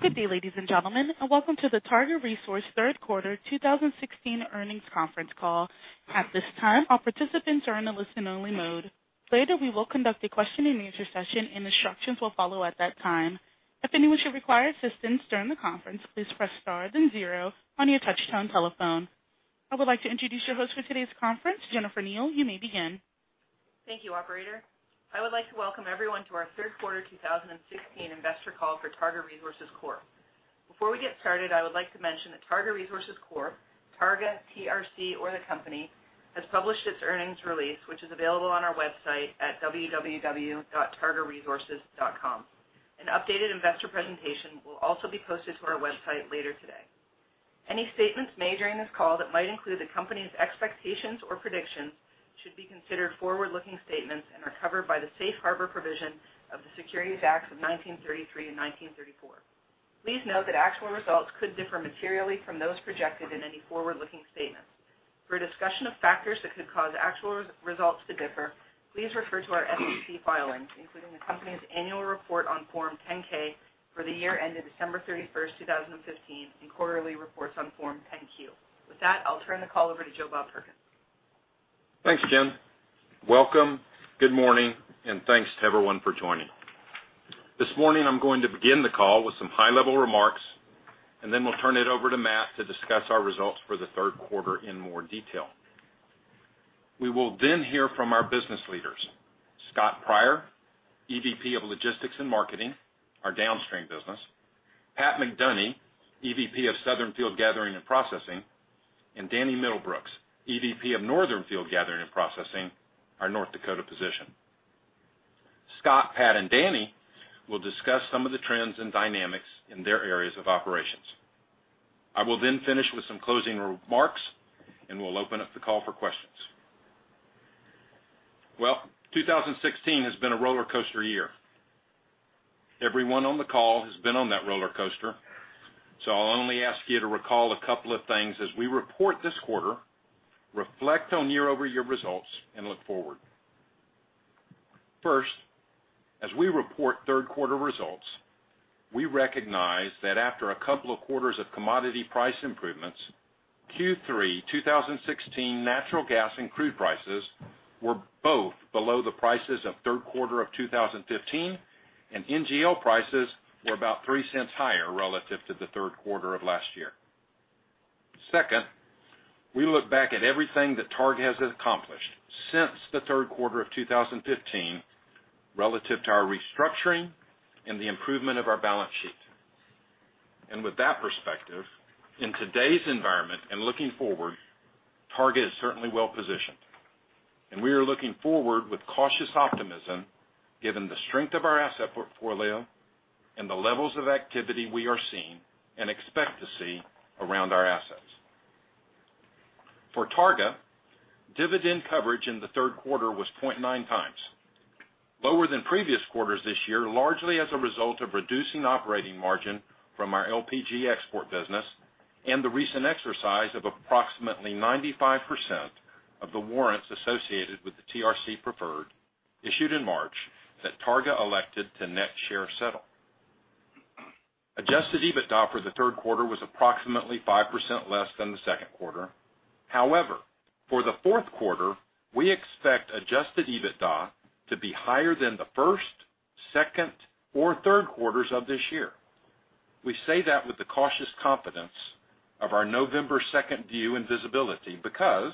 Good day, ladies and gentlemen, and welcome to the Targa Resources third quarter 2016 earnings conference call. At this time, all participants are in a listen-only mode. Later, we will conduct a question-and-answer session, and instructions will follow at that time. If anyone should require assistance during the conference, please press star then zero on your touch-tone telephone. I would like to introduce your host for today's conference. Jen Kneale, you may begin. Thank you, operator. I would like to welcome everyone to our third quarter 2016 investor call for Targa Resources Corp. Before we get started, I would like to mention that Targa Resources Corp., Targa, TRC, or the company has published its earnings release, which is available on our website at www.targaresources.com. An updated investor presentation will also be posted to our website later today. Any statements made during this call that might include the company's expectations or predictions should be considered forward-looking statements and are covered by the Safe Harbor provisions of the Securities Acts of 1933 and 1934. Please note that actual results could differ materially from those projected in any forward-looking statements. For a discussion of factors that could cause actual results to differ, please refer to our SEC filings, including the company's annual report on Form 10-K for the year ended December 31st, 2015, and quarterly reports on Form 10-Q. With that, I'll turn the call over to Joe Bob Perkins. Thanks, Jen. Welcome, good morning, and thanks to everyone for joining. This morning, I'm going to begin the call with some high-level remarks, and then we'll turn it over to Matt to discuss our results for the third quarter in more detail. We will then hear from our business leaders, Scott Pryor, EVP of Logistics and Marketing, our downstream business, Pat McDonie, EVP of Southern Field Gathering and Processing, and Danny Middlebrooks, EVP of Northern Field Gathering and Processing, our North Dakota position. Scott, Pat, and Danny will discuss some of the trends and dynamics in their areas of operations. I will then finish with some closing remarks, and we'll open up the call for questions. Well, 2016 has been a roller coaster year. Everyone on the call has been on that roller coaster, I'll only ask you to recall a couple of things as we report this quarter, reflect on year-over-year results, and look forward. First, as we report third quarter results, we recognize that after a couple of quarters of commodity price improvements, Q3 2016 natural gas and crude prices were both below the prices of third quarter of 2015, and NGL prices were about $0.03 higher relative to the third quarter of last year. Second, we look back at everything that Targa has accomplished since the third quarter of 2015 relative to our restructuring and the improvement of our balance sheet. With that perspective, in today's environment and looking forward, Targa is certainly well-positioned. We are looking forward with cautious optimism given the strength of our asset portfolio and the levels of activity we are seeing and expect to see around our assets. For Targa, dividend coverage in the third quarter was 0.9 times. Lower than previous quarters this year, largely as a result of reducing operating margin from our LPG export business and the recent exercise of approximately 95% of the warrants associated with the TRC preferred issued in March that Targa elected to net share settle. Adjusted EBITDA for the third quarter was approximately 5% less than the second quarter. However, for the fourth quarter, we expect adjusted EBITDA to be higher than the first, second, or third quarters of this year. We say that with the cautious confidence of our November 2nd view and visibility because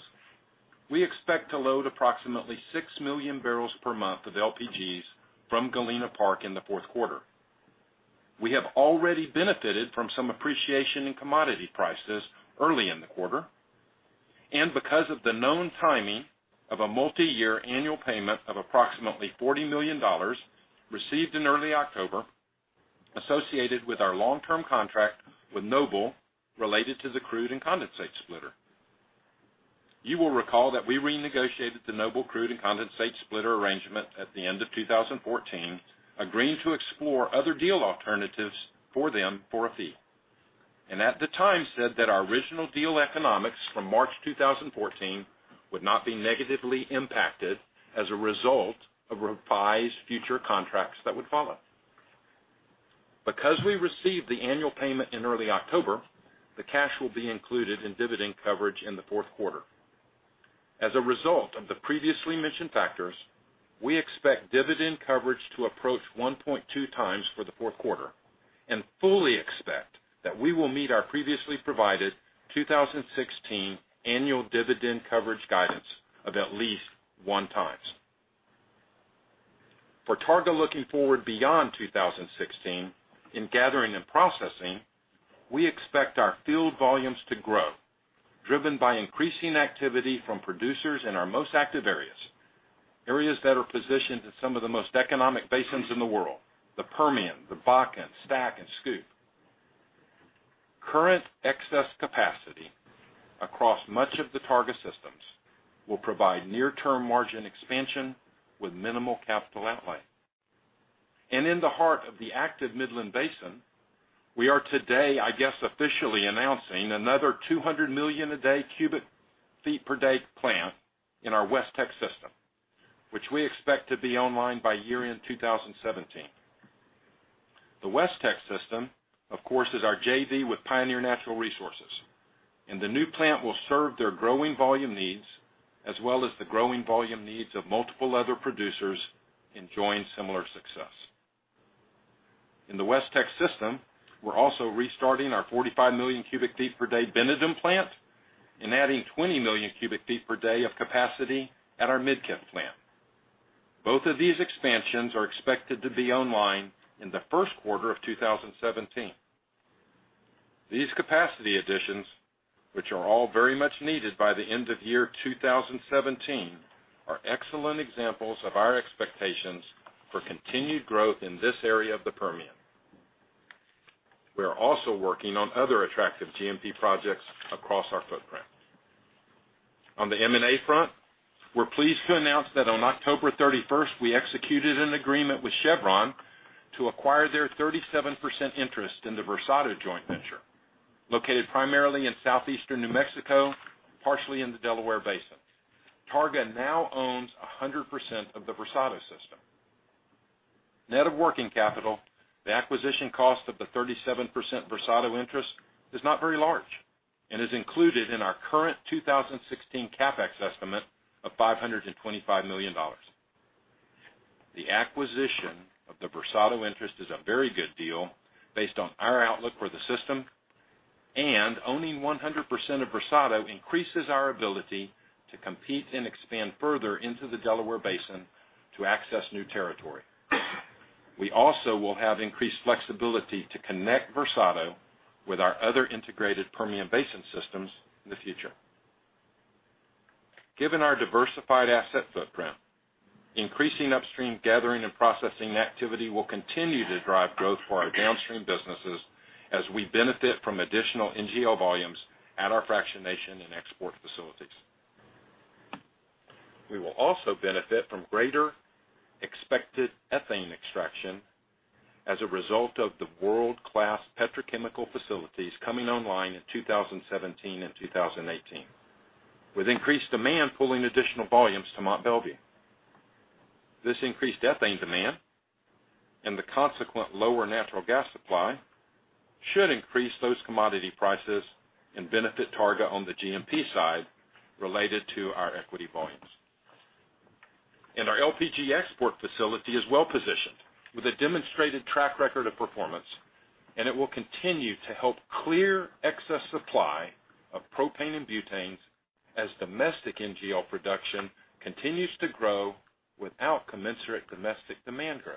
we expect to load approximately six million barrels per month of LPGs from Galena Park in the fourth quarter. We have already benefited from some appreciation in commodity prices early in the quarter and because of the known timing of a multi-year annual payment of approximately $40 million received in early October associated with our long-term contract with Noble related to the crude and condensate splitter. You will recall that we renegotiated the Noble crude and condensate splitter arrangement at the end of 2014, agreeing to explore other deal alternatives for them for a fee, and at the time said that our original deal economics from March 2014 would not be negatively impacted as a result of revised future contracts that would follow. Because we received the annual payment in early October, the cash will be included in dividend coverage in the fourth quarter. As a result of the previously mentioned factors, we expect dividend coverage to approach 1.2 times for the fourth quarter and fully expect that we will meet our previously provided 2016 annual dividend coverage guidance of at least 1 times. For Targa looking forward beyond 2016 in gathering and processing, we expect our field volumes to grow, driven by increasing activity from producers in our most active areas that are positioned in some of the most economic basins in the world, the Permian, the Bakken, STACK, and SCOOP. Current excess capacity across much of the Targa systems will provide near-term margin expansion with minimal CapEx outlay. In the heart of the active Midland Basin, we are today, I guess, officially announcing another 200 million cubic feet per day plant in our WestTX system. We expect to be online by year-end 2017. The WestTX system, of course, is our JV with Pioneer Natural Resources, and the new plant will serve their growing volume needs, as well as the growing volume needs of multiple other producers enjoying similar success. In the WestTX system, we are also restarting our 45 million cubic feet per day Bennington plant and adding 20 million cubic feet per day of capacity at our Midkiff plant. Both of these expansions are expected to be online in the first quarter of 2017. These capacity additions, which are all very much needed by the end of year 2017, are excellent examples of our expectations for continued growth in this area of the Permian. We are also working on other attractive GMP projects across our footprint. On the M&A front, we are pleased to announce that on October 31st, we executed an agreement with Chevron to acquire their 37% interest in the Versado joint venture, located primarily in southeastern New Mexico, partially in the Delaware Basin. Targa now owns 100% of the Versado system. Net of working capital, the acquisition cost of the 37% Versado interest is not very large and is included in our current 2016 CapEx estimate of $525 million. The acquisition of the Versado interest is a very good deal based on our outlook for the system, and owning 100% of Versado increases our ability to compete and expand further into the Delaware Basin to access new territory. We also will have increased flexibility to connect Versado with our other integrated Permian Basin systems in the future. Given our diversified asset footprint, increasing upstream gathering and processing activity will continue to drive growth for our downstream businesses as we benefit from additional NGL volumes at our fractionation and export facilities. We will also benefit from greater expected ethane extraction as a result of the world-class petrochemical facilities coming online in 2017 and 2018, with increased demand pulling additional volumes to Mont Belvieu. This increased ethane demand and the consequent lower natural gas supply should increase those commodity prices and benefit Targa on the GMP side related to our equity volumes. Our LPG export facility is well positioned with a demonstrated track record of performance, and it will continue to help clear excess supply of propane and butanes as domestic NGL production continues to grow without commensurate domestic demand growth.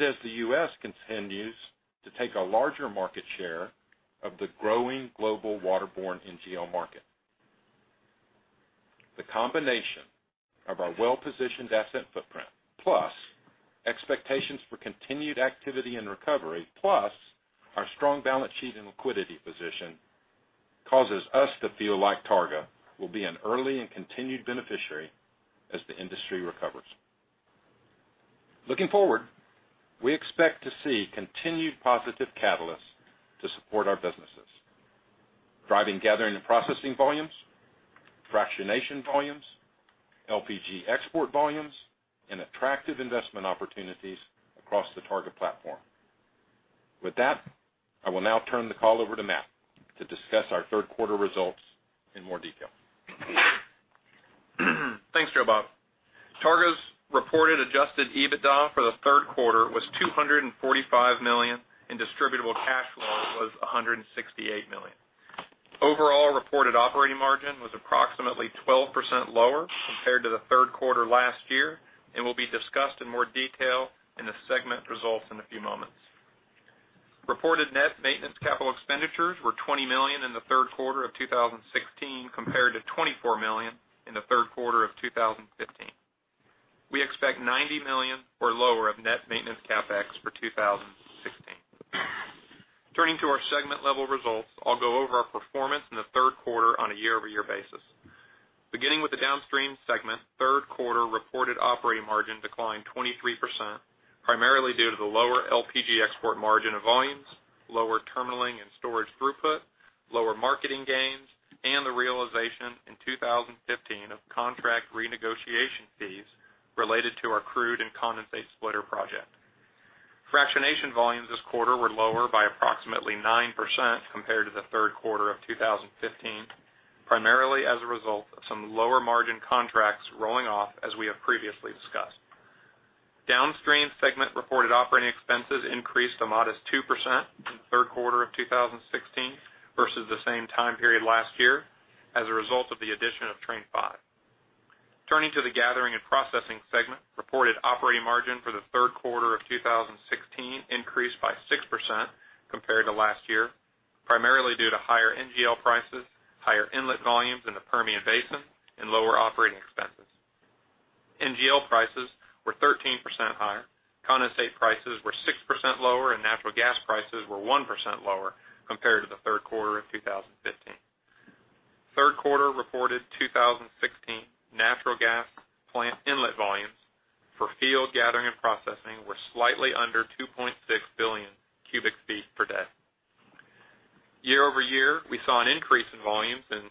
As the U.S. continues to take a larger market share of the growing global waterborne NGL market. The combination of our well-positioned asset footprint, plus expectations for continued activity and recovery, plus our strong balance sheet and liquidity position causes us to feel like Targa will be an early and continued beneficiary as the industry recovers. Looking forward, we expect to see continued positive catalysts to support our businesses. Driving gathering and processing volumes, fractionation volumes, LPG export volumes, and attractive investment opportunities across the Targa platform. With that, I will now turn the call over to Matt to discuss our third quarter results in more detail. Thanks, Joe Bob. Targa's reported adjusted EBITDA for the third quarter was $245 million, and distributable cash flow was $168 million. Overall reported operating margin was approximately 12% lower compared to the third quarter last year and will be discussed in more detail in the segment results in a few moments. Reported net maintenance capital expenditures were $20 million in the third quarter of 2016, compared to $24 million in the third quarter of 2015. We expect $90 million or lower of net maintenance CapEx for 2016. Turning to our segment-level results, I'll go over our performance in the third quarter on a year-over-year basis. Beginning with the downstream segment, third quarter reported operating margin declined 23%, primarily due to the lower LPG export margin of volumes, lower terminalling and storage throughput, lower marketing gains, and the realization in 2015 of contract renegotiation fees related to our crude and condensate splitter project. Fractionation volumes this quarter were lower by approximately 9% compared to the third quarter of 2015, primarily as a result of some lower margin contracts rolling off as we have previously discussed. Downstream segment reported operating expenses increased a modest 2% in the third quarter of 2016 versus the same time period last year as a result of the addition of Train Five. Turning to the Gathering and Processing segment, reported operating margin for the third quarter of 2016 increased by 6% compared to last year, primarily due to higher NGL prices, higher inlet volumes in the Permian Basin, and lower operating expenses. NGL prices were 13% higher, condensate prices were 6% lower, and natural gas prices were 1% lower compared to the third quarter of 2015. Third quarter reported 2016 natural gas plant inlet volumes for field gathering and processing were slightly under 2.6 billion cubic feet per day. Year-over-year, we saw an increase in volumes in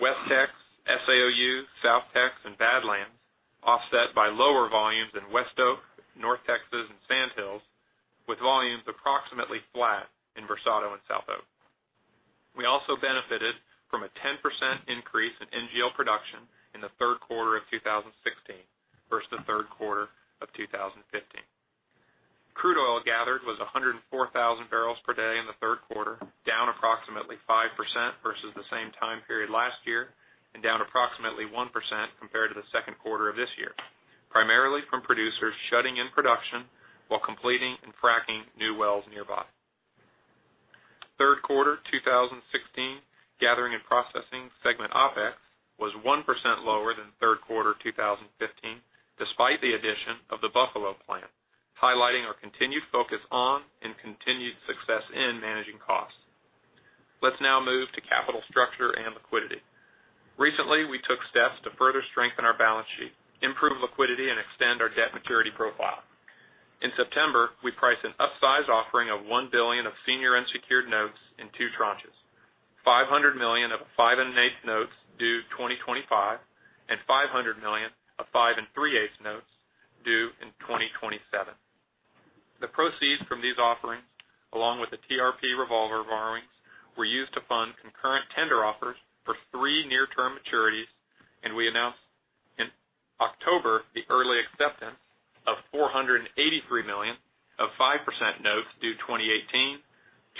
West TX, SAOU, South TX, and Badlands, offset by lower volumes in WestOK, North Texas, and Sandhills, with volumes approximately flat in Versado and SouthOK. We also benefited from a 10% increase in NGL production in the third quarter of 2016 versus the third quarter of 2015. Crude oil gathered was 104,000 barrels per day in the third quarter, down approximately 5% versus the same time period last year, and down approximately 1% compared to the second quarter of this year, primarily from producers shutting in production while completing and fracking new wells nearby. Third quarter 2016 Gathering and Processing segment OpEx was 1% lower than third quarter 2015, despite the addition of the Buffalo plant, highlighting our continued focus on and continued success in managing costs. Let's now move to capital structure and liquidity. In September, we priced an upsized offering of $1 billion of senior unsecured notes in two tranches, $500 million of 5 8 notes due 2025, and $500 million of 5 3/8 notes due in 2027. The proceeds from these offerings, along with the TRP revolver borrowings, were used to fund concurrent tender offers for three near-term maturities. We announced in October the early acceptance of $483 million of 5% notes due 2018,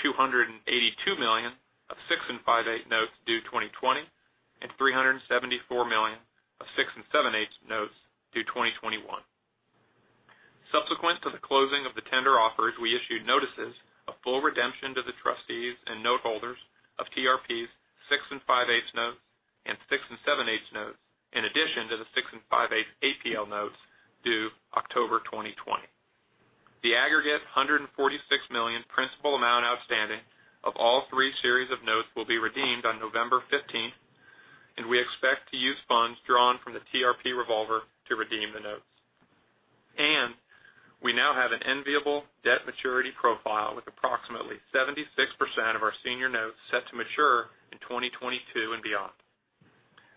$282 million of 6 5/8 notes due 2020, and $374 million of 6 7/8 notes due 2021. Subsequent to the closing of the tender offers, we issued notices of full redemption to the trustees and note holders of TRP's 6 5/8 notes and 6 7/8 notes, in addition to the 6 5/8 APL notes due October 2020. The aggregate $146 million principal amount outstanding of all three series of notes will be redeemed on November 15th. We expect to use funds drawn from the TRP revolver to redeem the notes. We now have an enviable debt maturity profile with approximately 76% of our senior notes set to mature in 2022 and beyond.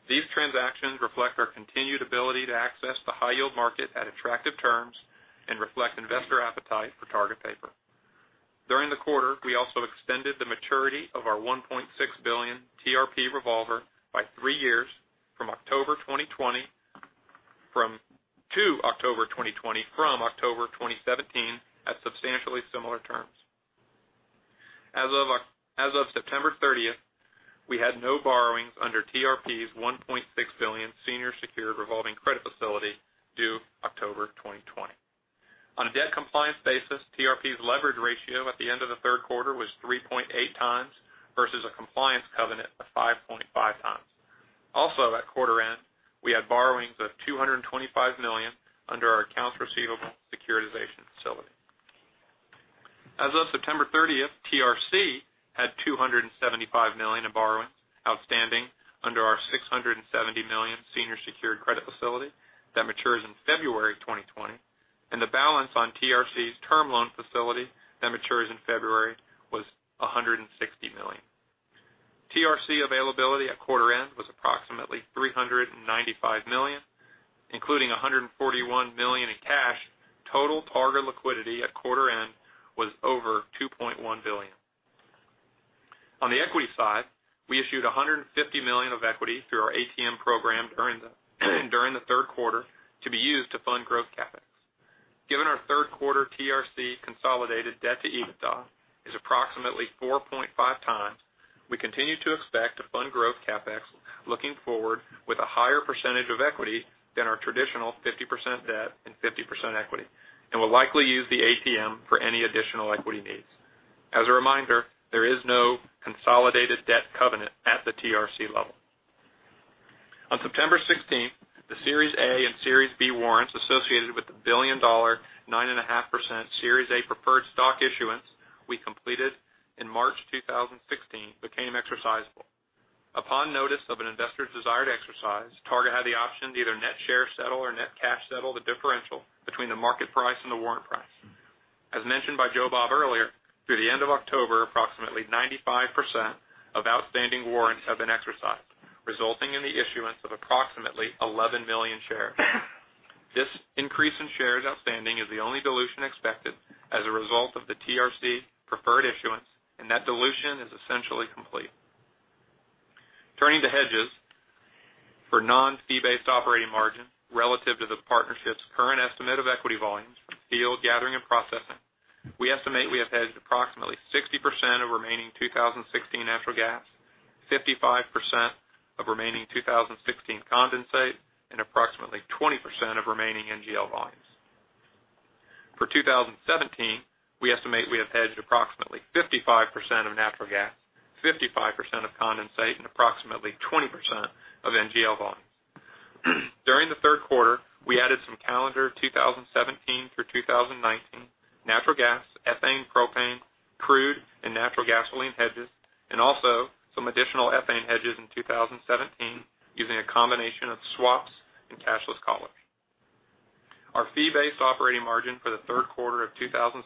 These transactions reflect our continued ability to access the high-yield market at attractive terms and reflect investor appetite for Targa paper. During the quarter, we also extended the maturity of our $1.6 billion TRP revolver by three years to October 2020 from October 2017 at substantially similar terms. As of September 30th, we had no borrowings under TRP's $1.6 billion senior secured revolving credit facility due October 2020. On a debt compliance basis, TRP's leverage ratio at the end of the third quarter was 3.8 times versus a compliance covenant of 5.5 times. Also at quarter end, we had borrowings of $225 million under our accounts receivable securitization facility. As of September 30th, TRC had $275 million in borrowings outstanding under our $670 million senior secured credit facility that matures in February 2020. The balance on TRC's term loan facility that matures in February was $160 million. TRC availability at quarter end was approximately $395 million, including $141 million in cash. Total Targa liquidity at quarter end was over $2.1 billion. On the equity side, we issued $150 million of equity through our ATM program during the third quarter to be used to fund growth CapEx. Given our third quarter TRC consolidated debt to EBITDA is approximately 4.5 times, we continue to expect to fund growth CapEx looking forward with a higher percentage of equity than our traditional 50% debt and 50% equity. Will likely use the ATM for any additional equity needs. As a reminder, there is no consolidated debt covenant at the TRC level. On September 16th, the Series A and Series B warrants associated with the billion-dollar, 9.5% Series A preferred stock issuance we completed in March 2016 became exercisable. Upon notice of an investor's desire to exercise, Targa had the option to either net share settle or net cash settle the differential between the market price and the warrant price. As mentioned by Joe Bob earlier, through the end of October, approximately 95% of outstanding warrants have been exercised, resulting in the issuance of approximately 11 million shares. This increase in shares outstanding is the only dilution expected as a result of the TRC preferred issuance. That dilution is essentially complete. Turning to hedges. For non-fee-based operating margin relative to the partnership's current estimate of equity volumes from field gathering and processing, we estimate we have hedged approximately 60% of remaining 2016 natural gas, 55% of remaining 2016 condensate, and approximately 20% of remaining NGL volumes. For 2017, we estimate we have hedged approximately 55% of natural gas, 55% of condensate, and approximately 20% of NGL volumes. During the third quarter, we added some calendar 2017 through 2019 natural gas, ethane, propane, crude, and natural gasoline hedges and also some additional ethane hedges in 2017 using a combination of swaps and cashless collars. Our fee-based operating margin for the third quarter of 2016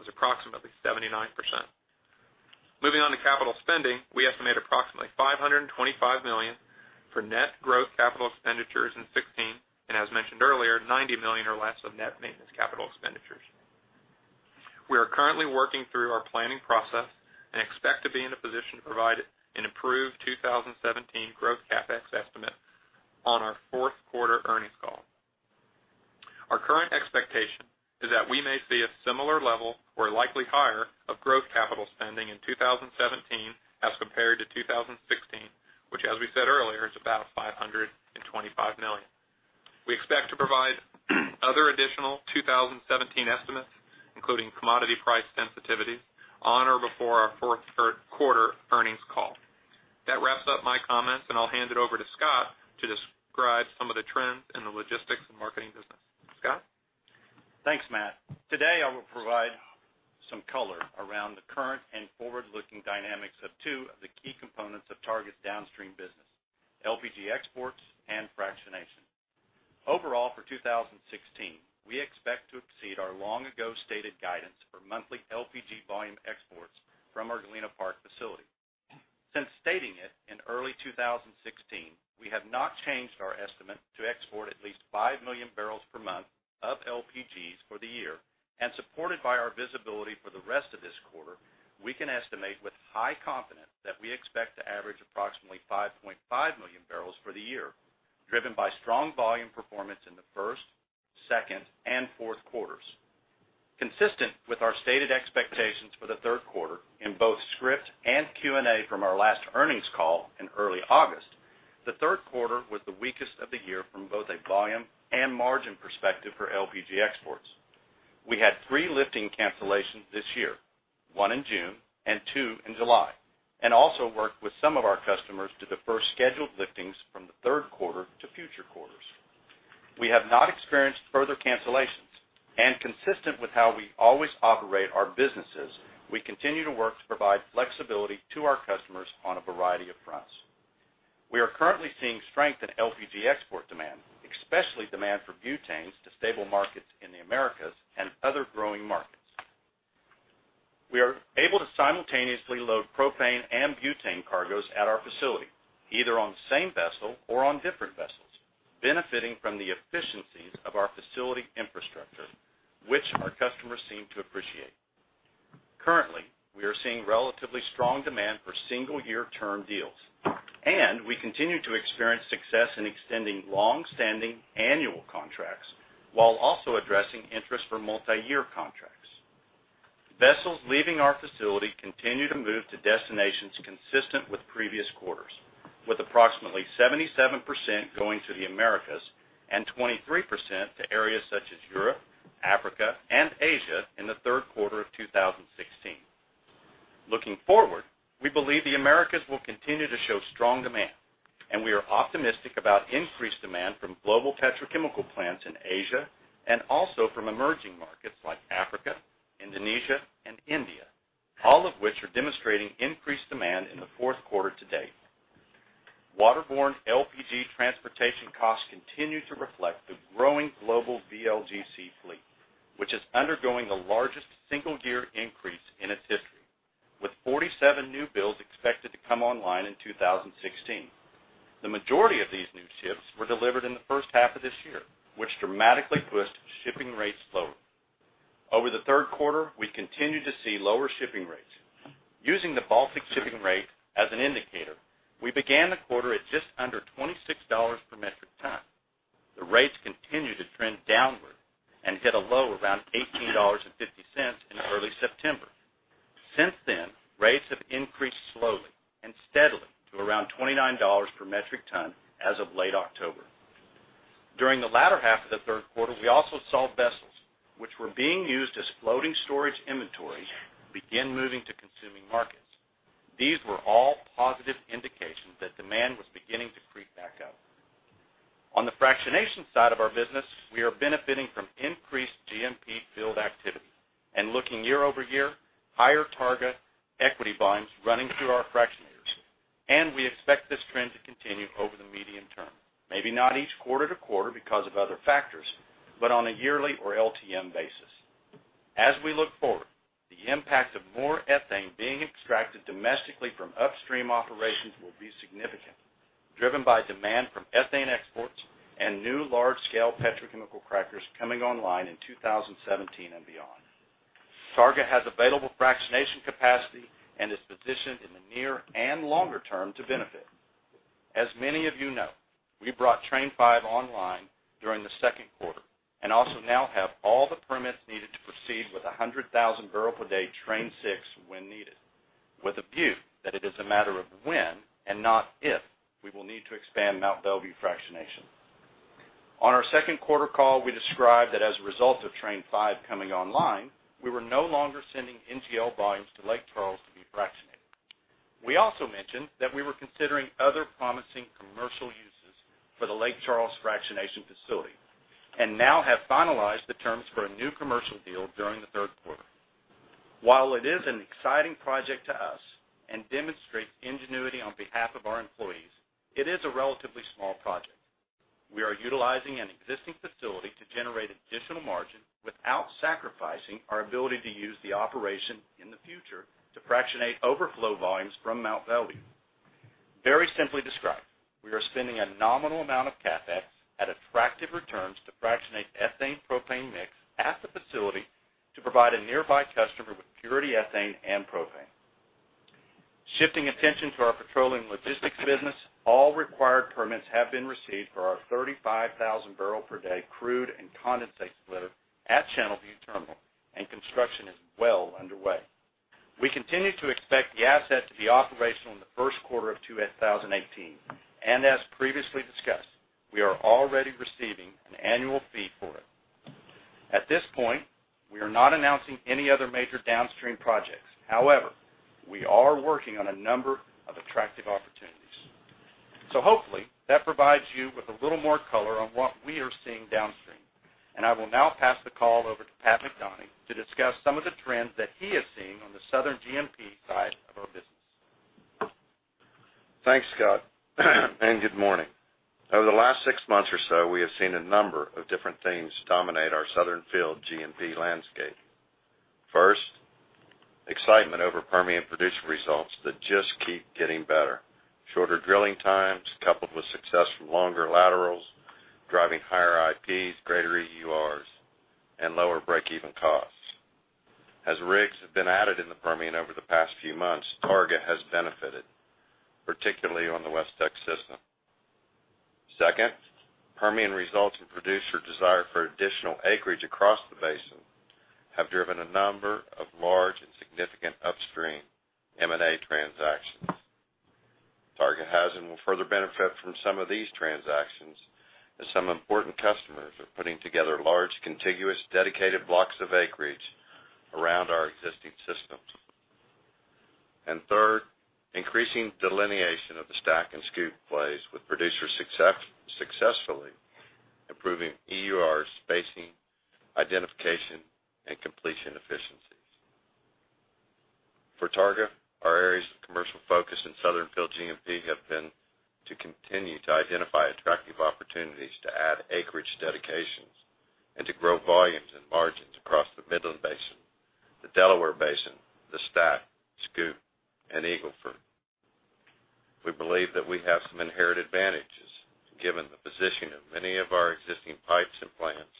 was approximately 79%. Moving on to capital spending, we estimate approximately $525 million for net growth CapEx in 2016, and as mentioned earlier, $90 million or less of net maintenance CapEx. We are currently working through our planning process and expect to be in a position to provide an improved 2017 growth CapEx estimate on our fourth quarter earnings call. Our current expectation is that we may see a similar level, or likely higher, of growth capital spending in 2017 as compared to 2016, which as we said earlier, is about $525 million. We expect to provide other additional 2017 estimates, including commodity price sensitivity, on or before our fourth quarter earnings call. That wraps up my comments, and I'll hand it over to Scott to describe some of the trends in the logistics and marketing business. Scott? Thanks, Matt. I will provide some color around the current and forward-looking dynamics of two of the key components of Targa's downstream business, LPG exports and fractionation. Overall, for 2016, we expect to exceed our long-ago stated guidance for monthly LPG volume exports from our Galena Park facility. Since stating it in early 2016, we have not changed our estimate to export at least 5 million barrels per month of LPGs for the year. Supported by our visibility for the rest of this quarter, we can estimate with high confidence that we expect to average approximately 5.5 million barrels for the year, driven by strong volume performance in the first, second, and fourth quarters. Consistent with our stated expectations for the third quarter in both script and Q&A from our last earnings call in early August, the third quarter was the weakest of the year from both a volume and margin perspective for LPG exports. We had 3 lifting cancellations this year, 1 in June and 2 in July, and also worked with some of our customers to defer scheduled liftings from the third quarter to future quarters. We have not experienced further cancellations. Consistent with how we always operate our businesses, we continue to work to provide flexibility to our customers on a variety of fronts. We are currently seeing strength in LPG export demand, especially demand for butanes to stable markets in the Americas and other growing markets. We are able to simultaneously load propane and butane cargoes at our facility, either on the same vessel or on different vessels, benefiting from the efficiencies of our facility infrastructure, which our customers seem to appreciate. Currently, we are seeing relatively strong demand for single-year term deals. We continue to experience success in extending long-standing annual contracts while also addressing interest for multi-year contracts. Vessels leaving our facility continue to move to destinations consistent with previous quarters, with approximately 77% going to the Americas and 23% to areas such as Europe, Africa, and Asia in the third quarter of 2016. Looking forward, we believe the Americas will continue to show strong demand. We are optimistic about increased demand from global petrochemical plants in Asia and also from emerging markets like Africa, Indonesia, and India, all of which are demonstrating increased demand in the fourth quarter to date. Waterborne LPG transportation costs continue to reflect the growing global VLGC fleet, which is undergoing the largest single-year increase in its history, with 47 new builds expected to come online in 2016. The majority of these new ships were delivered in the first half of this year, which dramatically pushed shipping rates lower. Over the third quarter, we continued to see lower shipping rates. Using the Baltic shipping rate as an indicator, we began the quarter at just under $26 per metric ton. The rates continued to trend downward and hit a low around $18.50 in early September. Since then, rates have increased slowly and steadily to around $29 per metric ton as of late October. During the latter half of the third quarter, we also saw vessels which were being used as floating storage inventory begin moving to consuming markets. These were all positive indications that demand was beginning to creep back up. On the fractionation side of our business, we are benefiting from increased GMP field activity and, looking year-over-year, higher Targa equity volumes running through our fractionators. We expect this trend to continue over the medium term, maybe not each quarter to quarter because of other factors, but on a yearly or LTM basis. As we look forward, the impact of more ethane being extracted domestically from upstream operations will be significant, driven by demand from ethane exports and new large-scale petrochemical crackers coming online in 2017 and beyond. Targa has available fractionation capacity and is positioned in the near and longer term to benefit. As many of you know, we brought Train Five online during the second quarter and also now have all the permits needed to proceed with 100,000 barrel per day Train Six when needed with a view that it is a matter of when and not if we will need to expand Mont Belvieu fractionation. On our second quarter call, we described that as a result of Train Five coming online, we were no longer sending NGL volumes to Lake Charles to be fractionated. We also mentioned that we were considering other promising commercial uses for the Lake Charles fractionation facility and now have finalized the terms for a new commercial deal during the third quarter. While it is an exciting project to us and demonstrates ingenuity on behalf of our employees, it is a relatively small project. We are utilizing an existing facility to generate additional margin without sacrificing our ability to use the operation in the future to fractionate overflow volumes from Mont Belvieu. Very simply described, we are spending a nominal amount of CapEx at attractive returns to fractionate ethane propane mix at the facility to provide a nearby customer with purity ethane and propane. Shifting attention to our petroleum logistics business, all required permits have been received for our 35,000 barrel per day crude and condensate splitter at Channelview Terminal, and construction is well underway. We continue to expect the asset to be operational in the first quarter of 2018, and as previously discussed, we are already receiving an annual fee for it. At this point, we are not announcing any other major downstream projects. We are working on a number of attractive opportunities. Hopefully, that provides you with a little more color on what we are seeing downstream. I will now pass the call over to Pat McDonie to discuss some of the trends that he is seeing on the southern G&P side of our business. Thanks, Scott, and good morning. Over the last six months or so, we have seen a number of different things dominate our southern field G&P landscape. First, excitement over Permian producer results that just keep getting better. Shorter drilling times coupled with success from longer laterals, driving higher IPs, greater EURs, and lower break-even costs. As rigs have been added in the Permian over the past few months, Targa has benefited, particularly on the WestTX system. Second, Permian results and producer desire for additional acreage across the basin have driven a number of large and significant upstream M&A transactions. Targa has and will further benefit from some of these transactions, as some important customers are putting together large, contiguous, dedicated blocks of acreage around our existing systems. Third, increasing delineation of the STACK and SCOOP plays with producers successfully improving EUR spacing, identification, and completion efficiencies. For Targa, our areas of commercial focus in southern field G&P have been to continue to identify attractive opportunities to add acreage dedications and to grow volumes and margins across the Midland Basin, the Delaware Basin, the STACK, SCOOP, and Eagle Ford. We believe that we have some inherent advantages given the position of many of our existing pipes and plants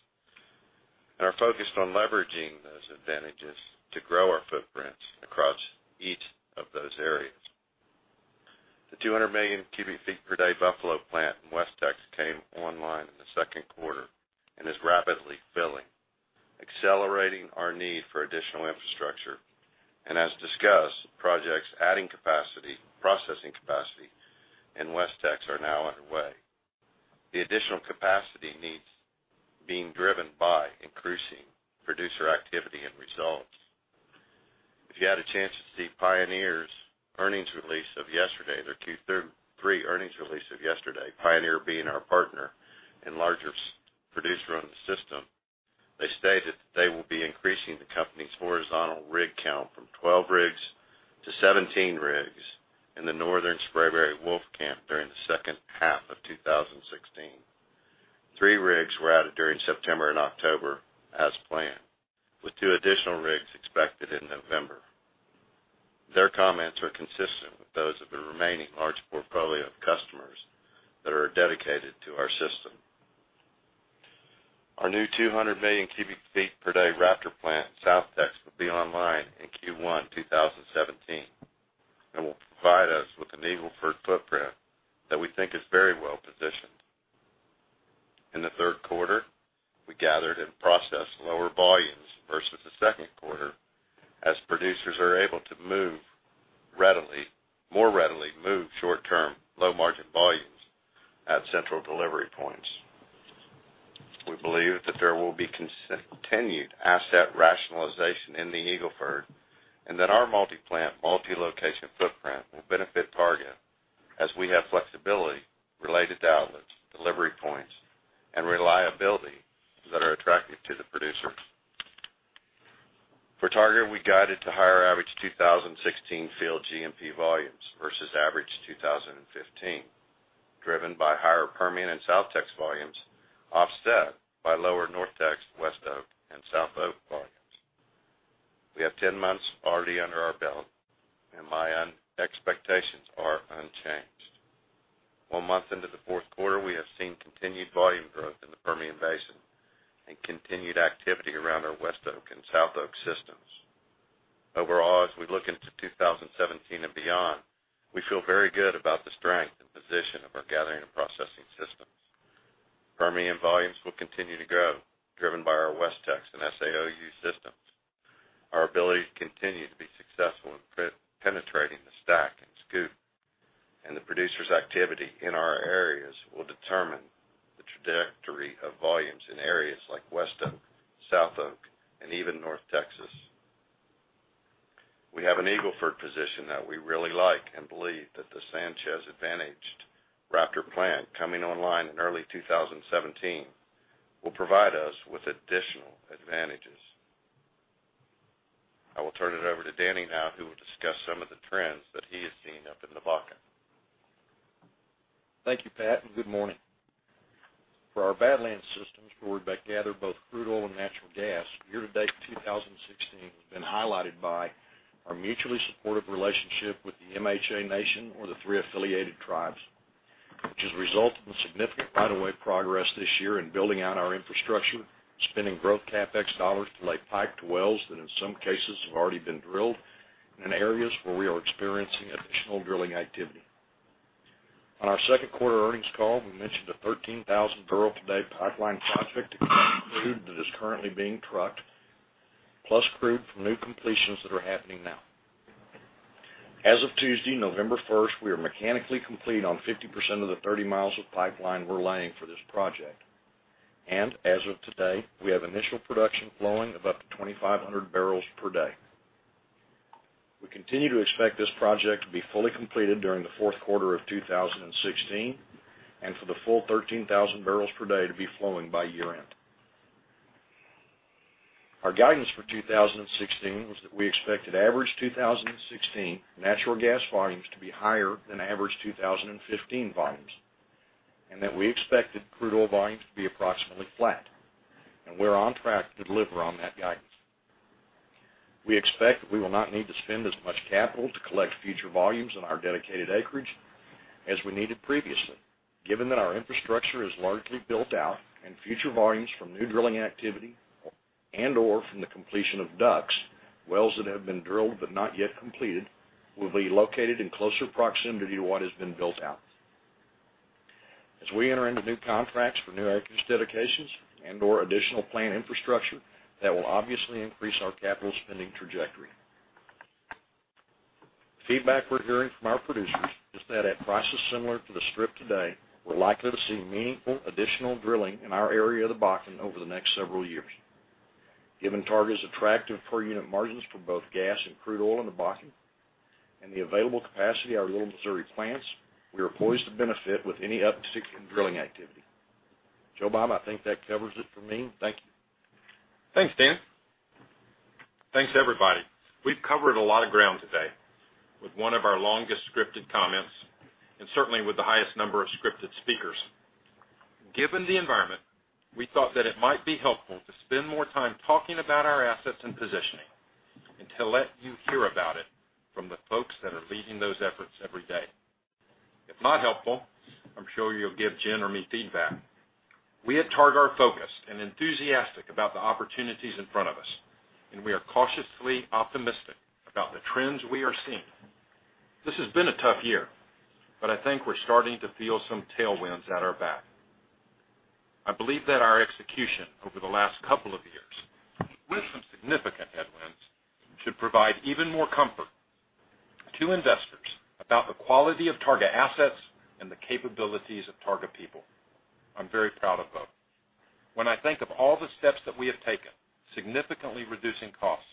and are focused on leveraging those advantages to grow our footprints across each of those areas. The 200 million cubic feet per day Buffalo plant in WestTX came online in the second quarter and is rapidly filling, accelerating our need for additional infrastructure. As discussed, projects adding capacity, processing capacity in WestTX are now underway. The additional capacity needs being driven by increasing producer activity and results. If you had a chance to see Pioneer's earnings release of yesterday, their Q3 earnings release of yesterday, Pioneer being our partner and largest producer on the system. They stated that they will be increasing the company's horizontal rig count from 12 rigs to 17 rigs in the northern Spraberry Wolfcamp during the second half of 2016. Three rigs were added during September and October as planned, with two additional rigs expected in November. Their comments are consistent with those of the remaining large portfolio of customers that are dedicated to our system. Our new 200 million cubic feet per day Raptor plant in SouthTX will be online in Q1 2017 and will provide us with an Eagle Ford footprint that we think is very well positioned. In the third quarter, we gathered and processed lower volumes versus the second quarter, as producers are able to more readily move short-term, low-margin volumes at central delivery points. We believe that there will be continued asset rationalization in the Eagle Ford and that our multi-plant, multi-location footprint will benefit Targa as we have flexibility related to outlets, delivery points, and reliability that are attractive to the producers. For Targa, we guided to higher average 2016 field GMP volumes versus average 2015, driven by higher Permian and SouthTX volumes, offset by lower NorthTX, WestOK, and SouthOK volumes. We have 10 months already under our belt. My expectations are unchanged. One month into the fourth quarter, we have seen continued volume growth in the Permian Basin and continued activity around our WestOK and SouthOK systems. Overall, as we look into 2017 and beyond, we feel very good about the strength and position of our gathering and processing systems. Permian volumes will continue to grow, driven by our WestTX and SAOU systems. Our ability to continue to be successful in penetrating the STACK and SCOOP and the producers' activity in our areas will determine the trajectory of volumes in areas like WestOK, SouthOK, and even North Texas. We have an Eagle Ford position that we really like and believe that the Sanchez-advantaged Raptor plant coming online in early 2017 will provide us with additional advantages. I will turn it over to Danny now who will discuss some of the trends that he has seen up in the Bakken. Thank you, Pat, and good morning. For our Badlands systems, where we gather both crude oil and natural gas, year-to-date 2016 has been highlighted by our mutually supportive relationship with the MHA Nation or the Three Affiliated Tribes, which has resulted in significant right of way progress this year in building out our infrastructure, spending growth CapEx dollars to lay pipe to wells that in some cases have already been drilled in areas where we are experiencing additional drilling activity. On our second quarter earnings call, we mentioned a 13,000 barrel per day pipeline project to connect crude that is currently being trucked, plus crude from new completions that are happening now. As of Tuesday, November 1st, we are mechanically complete on 50% of the 30 miles of pipeline we are laying for this project. As of today, we have initial production flowing of up to 2,500 barrels per day. We continue to expect this project to be fully completed during the fourth quarter of 2016, and for the full 13,000 barrels per day to be flowing by year-end. Our guidance for 2016 was that we expected average 2016 natural gas volumes to be higher than average 2015 volumes, and that we expected crude oil volumes to be approximately flat. We are on track to deliver on that guidance. We expect that we will not need to spend as much capital to collect future volumes in our dedicated acreage as we needed previously, given that our infrastructure is largely built out and future volumes from new drilling activity and/or from the completion of DUCs, wells that have been drilled but not yet completed, will be located in closer proximity to what has been built out. As we enter into new contracts for new acreage dedications and/or additional plant infrastructure, that will obviously increase our capital spending trajectory. The feedback we are hearing from our producers is that at prices similar to the strip today, we are likely to see meaningful additional drilling in our area of the Bakken over the next several years. Given Targa's attractive per unit margins for both gas and crude oil in the Bakken and the available capacity at our Little Missouri plants, we are poised to benefit with any uptick in drilling activity. Joe Bob, I think that covers it for me. Thank you. Thanks, Dan. Thanks, everybody. We've covered a lot of ground today with one of our longest scripted comments, and certainly with the highest number of scripted speakers. Given the environment, we thought that it might be helpful to spend more time talking about our assets and positioning, and to let you hear about it from the folks that are leading those efforts every day. If not helpful, I'm sure you'll give Jen or me feedback. We at Targa are focused and enthusiastic about the opportunities in front of us, and we are cautiously optimistic about the trends we are seeing. This has been a tough year, but I think we're starting to feel some tailwinds at our back. I believe that our execution over the last couple of years, with some significant headwinds, should provide even more comfort to investors about the quality of Targa assets and the capabilities of Targa people. I'm very proud of both. When I think of all the steps that we have taken, significantly reducing costs,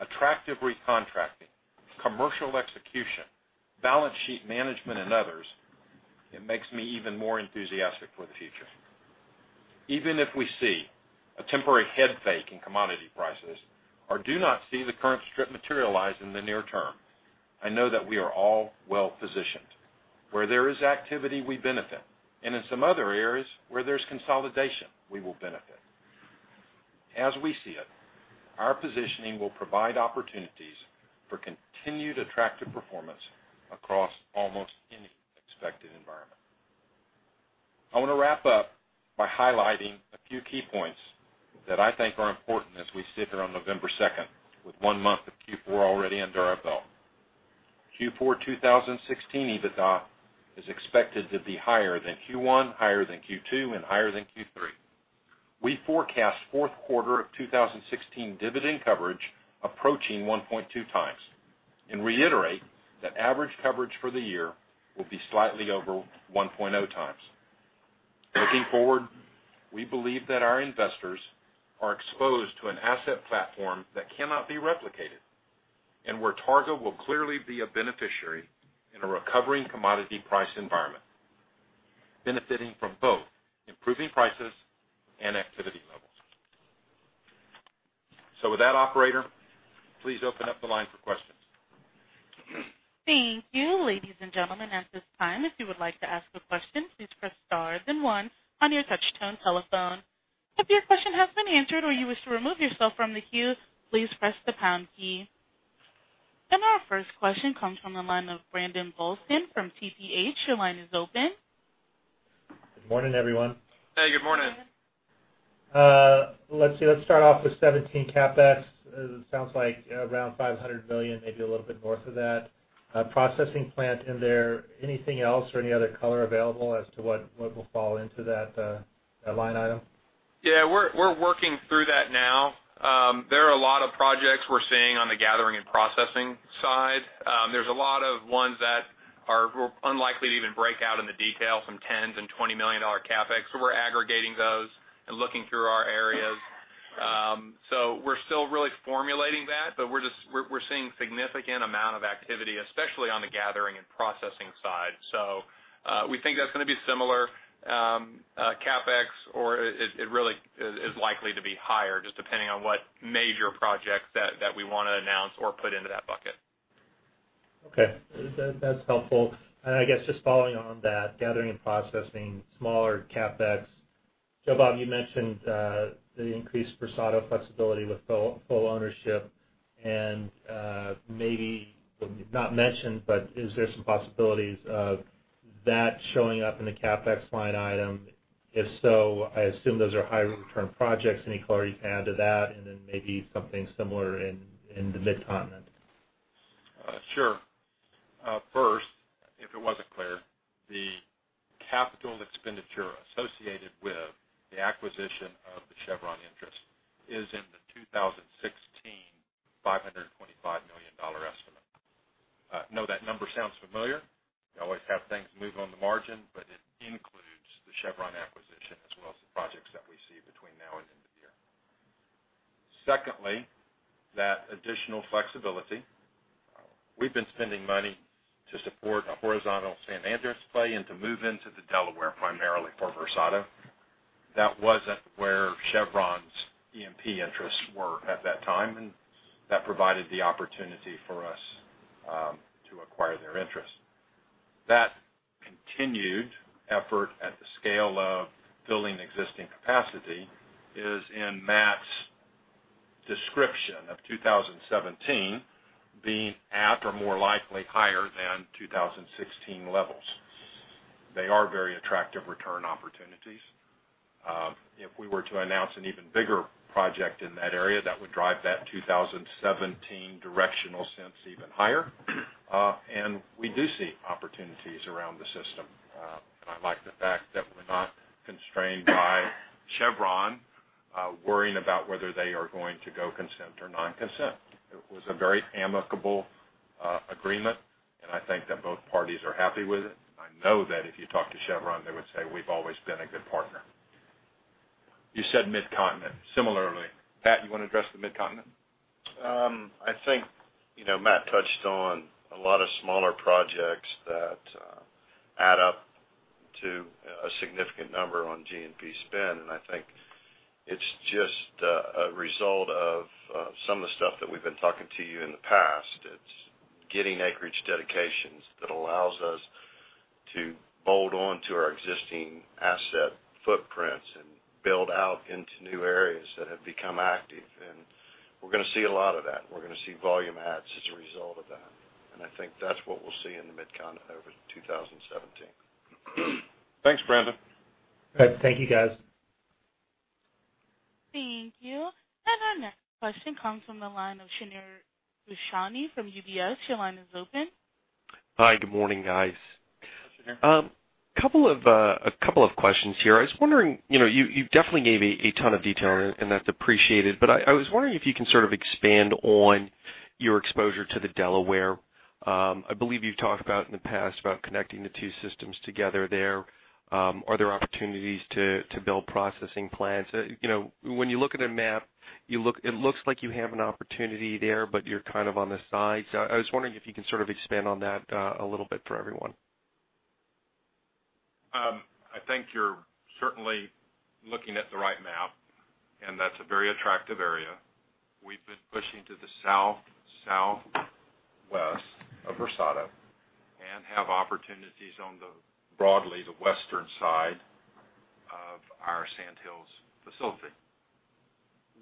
attractive recontracting, commercial execution, balance sheet management, and others, it makes me even more enthusiastic for the future. Even if we see a temporary head fake in commodity prices or do not see the current strip materialize in the near term, I know that we are all well-positioned. Where there is activity, we benefit, and in some other areas where there's consolidation, we will benefit. As we see it, our positioning will provide opportunities for continued attractive performance across almost any expected environment. I want to wrap up by highlighting a few key points that I think are important as we sit here on November 2nd with one month of Q4 already under our belt. Q4 2016 EBITDA is expected to be higher than Q1, higher than Q2, and higher than Q3. We forecast fourth quarter of 2016 dividend coverage approaching 1.2 times and reiterate that average coverage for the year will be slightly over 1.0 times. Looking forward, we believe that our investors are exposed to an asset platform that cannot be replicated and where Targa will clearly be a beneficiary in a recovering commodity price environment, benefiting from both improving prices and activity levels. With that, operator, please open up the line for questions. Thank you. Ladies and gentlemen, at this time, if you would like to ask a question, please press star then one on your touch tone telephone. If your question has been answered or you wish to remove yourself from the queue, please press the pound key. Our first question comes from the line of Brandon Golsan from TPH. Your line is open. Good morning, everyone. Hey, good morning. Let's see. Let's start off with 2017 CapEx. It sounds like around $500 million, maybe a little bit north of that. Processing plant in there, anything else or any other color available as to what will fall into that line item? Yeah. We're working through that now. There are a lot of projects we're seeing on the gathering and processing side. There's a lot of ones that are unlikely to even break out into detail, some $10 million and $20 million CapEx. We're aggregating those and looking through our. We're still really formulating that, but we're seeing significant amount of activity, especially on the gathering and processing side. We think that's going to be similar CapEx or it really is likely to be higher, just depending on what major projects that we want to announce or put into that bucket. Okay. That's helpful. I guess just following on that, gathering and processing smaller CapEx. Joe Bob, you mentioned the increased Versado flexibility with full ownership and maybe not mentioned, but is there some possibilities of that showing up in the CapEx line item? If so, I assume those are high return projects. Any color you can add to that? Then maybe something similar in the Mid-Continent. Sure. First, if it wasn't clear, the capital expenditure associated with the acquisition of the Chevron interest is in the 2016 $525 million estimate. I know that number sounds familiar. We always have things move on the margin, but it includes the Chevron acquisition as well as the projects that we see between now and end of the year. Secondly, that additional flexibility, we've been spending money to support a horizontal San Andres play and to move into the Delaware primarily for Versado. That wasn't where Chevron's E&P interests were at that time, and that provided the opportunity for us to acquire their interest. That continued effort at the scale of building existing capacity is in Matt's description of 2017 being at, or more likely higher than 2016 levels. They are very attractive return opportunities. If we were to announce an even bigger project in that area, that would drive that 2017 directional sense even higher. We do see opportunities around the system. I like the fact that we're not constrained by Chevron worrying about whether they are going to go consent or non-consent. It was a very amicable agreement, and I think that both parties are happy with it. I know that if you talk to Chevron, they would say we've always been a good partner. You said Mid-Continent. Similarly, Pat, you want to address the Mid-Continent? I think Matt touched on a lot of smaller projects that add up to a significant number on G&P spend. I think it's just a result of some of the stuff that we've been talking to you in the past. It's getting acreage dedications that allows us to mold on to our existing asset footprints and build out into new areas that have become active. We're going to see a lot of that. We're going to see volume adds as a result of that. I think that's what we'll see in the Mid-Continent over 2017. Thanks, Brandon. Thank you guys. Thank you. Our next question comes from the line of Sunil Bushani from UBS. Your line is open. Hi, good morning, guys. Sunil. A couple of questions here. I was wondering, you definitely gave a ton of detail, and that's appreciated, but I was wondering if you can sort of expand on your exposure to the Delaware. I believe you've talked about in the past about connecting the two systems together there. Are there opportunities to build processing plants? When you look at a map, it looks like you have an opportunity there, but you're kind of on the side. I was wondering if you can sort of expand on that a little bit for everyone. I think you're certainly looking at the right map, and that's a very attractive area. We've been pushing to the south, southwest of Versado and have opportunities on the broadly the western side of our Sandhills facility.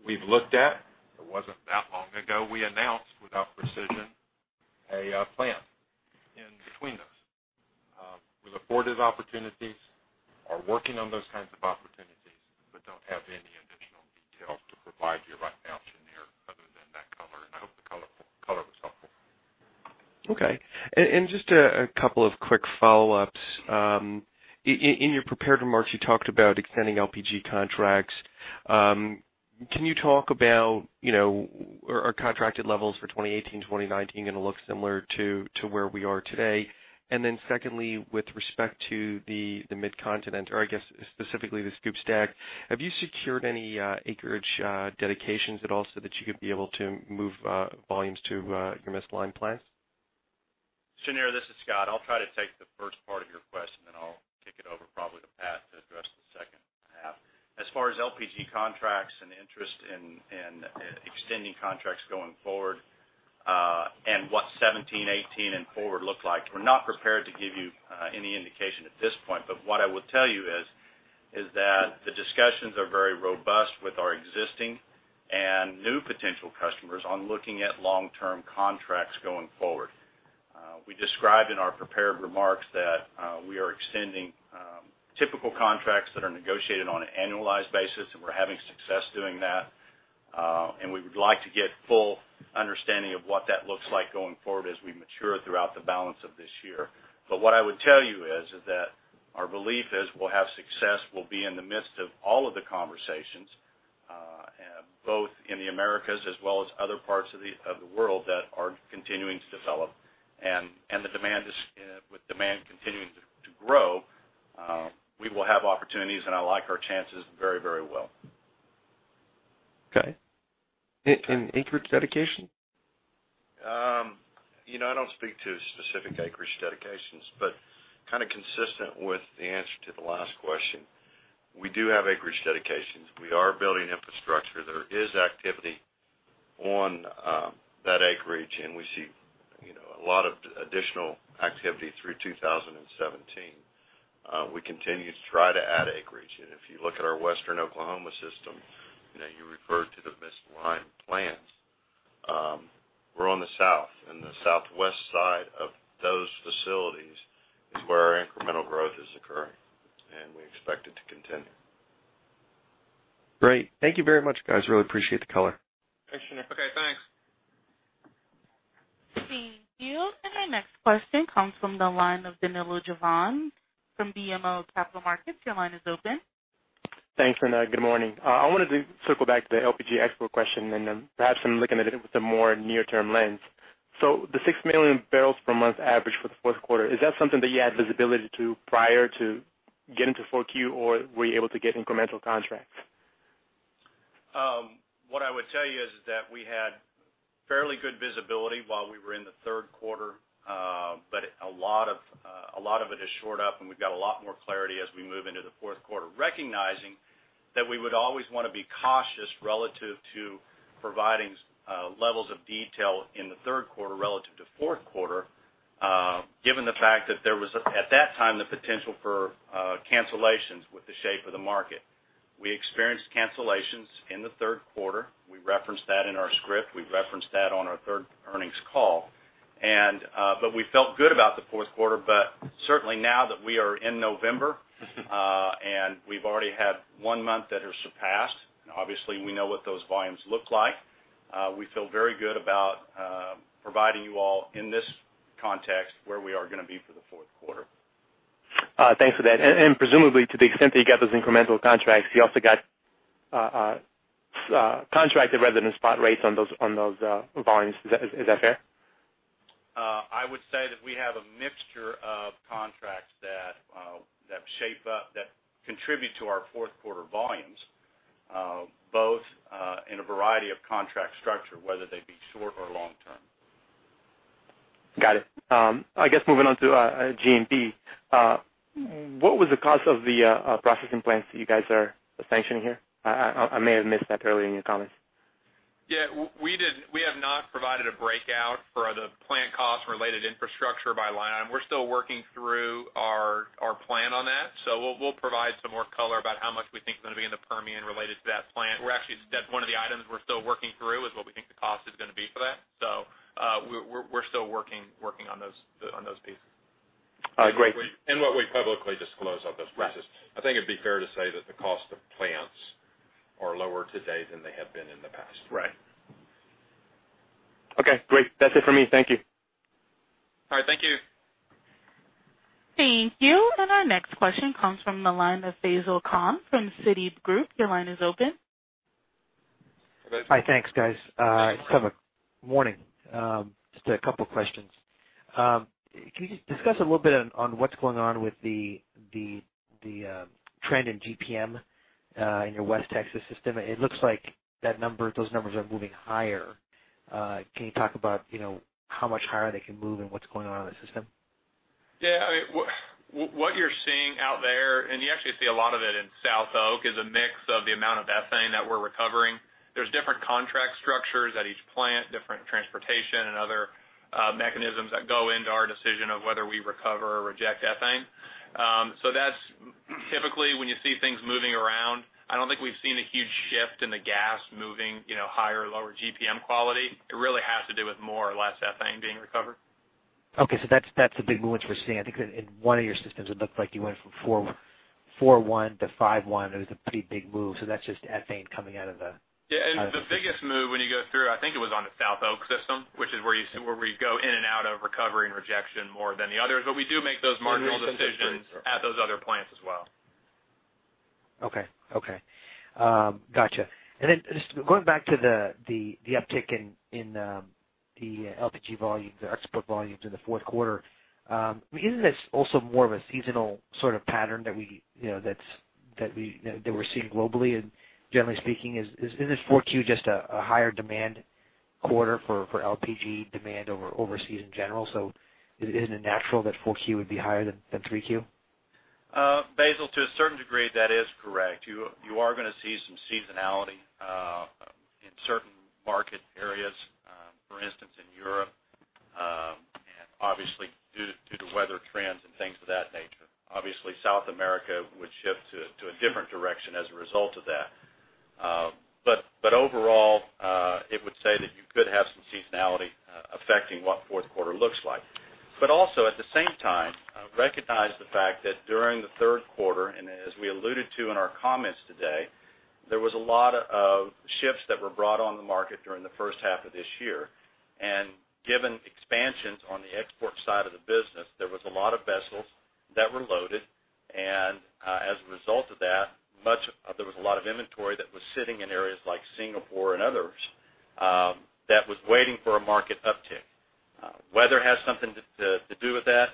We've looked at, it wasn't that long ago, we announced without precision a plan in between those. We've afforded opportunities, are working on those kinds of opportunities, but don't have any additional details to provide you right now, Sunil, other than that color, and I hope the color was helpful. Okay. Just a couple of quick follow-ups. In your prepared remarks, you talked about extending LPG contracts. Can you talk about are contracted levels for 2018, 2019 going to look similar to where we are today? Secondly, with respect to the Mid-Continent, or I guess specifically the SCOOP STACK, have you secured any acreage dedications at all so that you could be able to move volumes to your Mistletoe plants? Sunil, this is Scott. I'll try to take the first part of your question, then I'll kick it over probably to Pat to address the second half. As far as LPG contracts and interest in extending contracts going forward, and what 2017, 2018, and forward look like, we're not prepared to give you any indication at this point. What I will tell you is that the discussions are very robust with our existing and new potential customers on looking at long-term contracts going forward. We described in our prepared remarks that we are extending typical contracts that are negotiated on an annualized basis, and we're having success doing that. We would like to get full understanding of what that looks like going forward as we mature throughout the balance of this year. What I would tell you is that our belief is we'll have success, we'll be in the midst of all of the conversations, both in the Americas as well as other parts of the world that are continuing to develop. With demand continuing to grow, we will have opportunities, and I like our chances very well. Okay. Acreage dedication? I don't speak to specific acreage dedications, kind of consistent with the answer to the last question, we do have acreage dedications. We are building infrastructure. There is activity on that acreage, and we see a lot of additional activity through 2017. We continue to try to add acreage. If you look at our Western Oklahoma system, you referred to the Mistletoe plants. We're on the south, and the southwest side of those facilities is where our incremental growth is occurring, and we expect it to continue. Great. Thank you very much, guys. Really appreciate the color. Thanks, Sunil. Okay, thanks. Thank you. Our next question comes from the line of Danilo Juvane from BMO Capital Markets. Your line is open. Thanks, Renee. Good morning. I wanted to circle back to the LPG export question, perhaps I'm looking at it with a more near-term lens. The 6 million barrels per month average for the fourth quarter, is that something that you had visibility to prior to getting to four Q, or were you able to get incremental contracts? What I would tell you is that we had fairly good visibility while we were in the third quarter. A lot of it has shored up, and we've got a lot more clarity as we move into the fourth quarter, recognizing that we would always want to be cautious relative to providing levels of detail in the third quarter relative to fourth quarter, given the fact that there was, at that time, the potential for cancellations with the shape of the market. We experienced cancellations in the third quarter. We referenced that in our script. We referenced that on our 3rd earnings call. We felt good about the fourth quarter. Certainly now that we are in November, and we've already had one month that has surpassed, and obviously, we know what those volumes look like. We feel very good about providing you all in this context, where we are going to be for the fourth quarter. Thanks for that. Presumably, to the extent that you got those incremental contracts, you also got contracted rather than spot rates on those volumes. Is that fair? I would say that we have a mixture of contracts that contribute to our fourth quarter volumes, both in a variety of contract structure, whether they be short or long-term. Got it. I guess moving on to G&P. What was the cost of the processing plants that you guys are sanctioning here? I may have missed that earlier in your comments. Yeah. We have not provided a breakout for the plant cost related infrastructure by line item. We're still working through our plan on that. We'll provide some more color about how much we think is going to be in the Permian related to that plant. That's one of the items we're still working through, is what we think the cost is going to be for that. We're still working on those pieces. Great. What we publicly disclose on those prices. I think it'd be fair to say that the cost of plants are lower today than they have been in the past. Right. Okay, great. That's it for me. Thank you. All right. Thank you. Thank you. Our next question comes from the line of Faisel Khan from Citigroup. Your line is open. Hi. Thanks, guys. Morning. Just a couple of questions. Can you just discuss a little bit on what's going on with the trend in GPM in your West Texas system? It looks like those numbers are moving higher. Can you talk about how much higher they can move and what's going on in the system? What you're seeing out there, and you actually see a lot of it in SouthOK, is a mix of the amount of ethane that we're recovering. There's different contract structures at each plant, different transportation and other mechanisms that go into our decision of whether we recover or reject ethane. That's typically when you see things moving around, I don't think we've seen a huge shift in the gas moving higher or lower GPM quality. It really has to do with more or less ethane being recovered. Okay. That's the big movements we're seeing. I think in one of your systems, it looked like you went from 4.1 to 5.1. It was a pretty big move. That's just ethane coming out of the. Yeah. The biggest move when you go through, I think it was on the SouthOK system, which is where you see where we go in and out of recovery and rejection more than the others. We do make those marginal decisions at those other plants as well. Okay. Gotcha. Just going back to the uptick in the LPG volumes, the export volumes in the fourth quarter. Isn't this also more of a seasonal sort of pattern that we're seeing globally and generally speaking? Isn't this 4Q just a higher demand quarter for LPG demand overseas in general? Isn't it natural that 4Q would be higher than 3Q? Faisel, to a certain degree, that is correct. You are going to see some seasonality in certain market areas. For instance, in Europe, and obviously due to weather trends and things of that nature. South America would shift to a different direction as a result of that. Overall, it would say that you could have some seasonality affecting what fourth quarter looks like. Also, at the same time, recognize the fact that during the third quarter, and as we alluded to in our comments today, there was a lot of ships that were brought on the market during the first half of this year. Given expansions on the export side of the business, there was a lot of vessels that were loaded. As a result of that, there was a lot of inventory that was sitting in areas like Singapore and others that was waiting for a market uptick. Weather has something to do with that.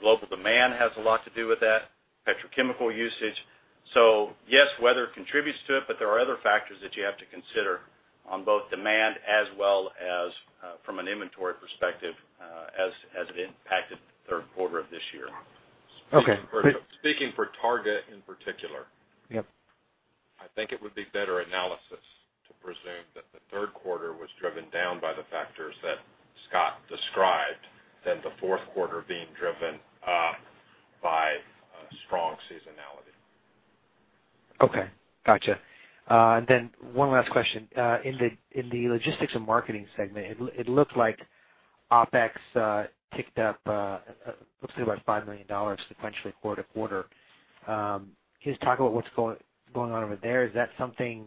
Global demand has a lot to do with that, petrochemical usage. Yes, weather contributes to it, but there are other factors that you have to consider on both demand as well as from an inventory perspective, as it impacted the third quarter of this year. Okay. Speaking for Targa in particular. Yep. I think it would be better analysis to presume that the third quarter was driven down by the factors that Scott described, than the fourth quarter being driven up by strong seasonality. Okay. Got you. One last question. In the Logistics and Marketing segment, it looked like OpEx ticked up, looks like about $5 million sequentially quarter-to-quarter. Can you just talk about what's going on over there? Is that something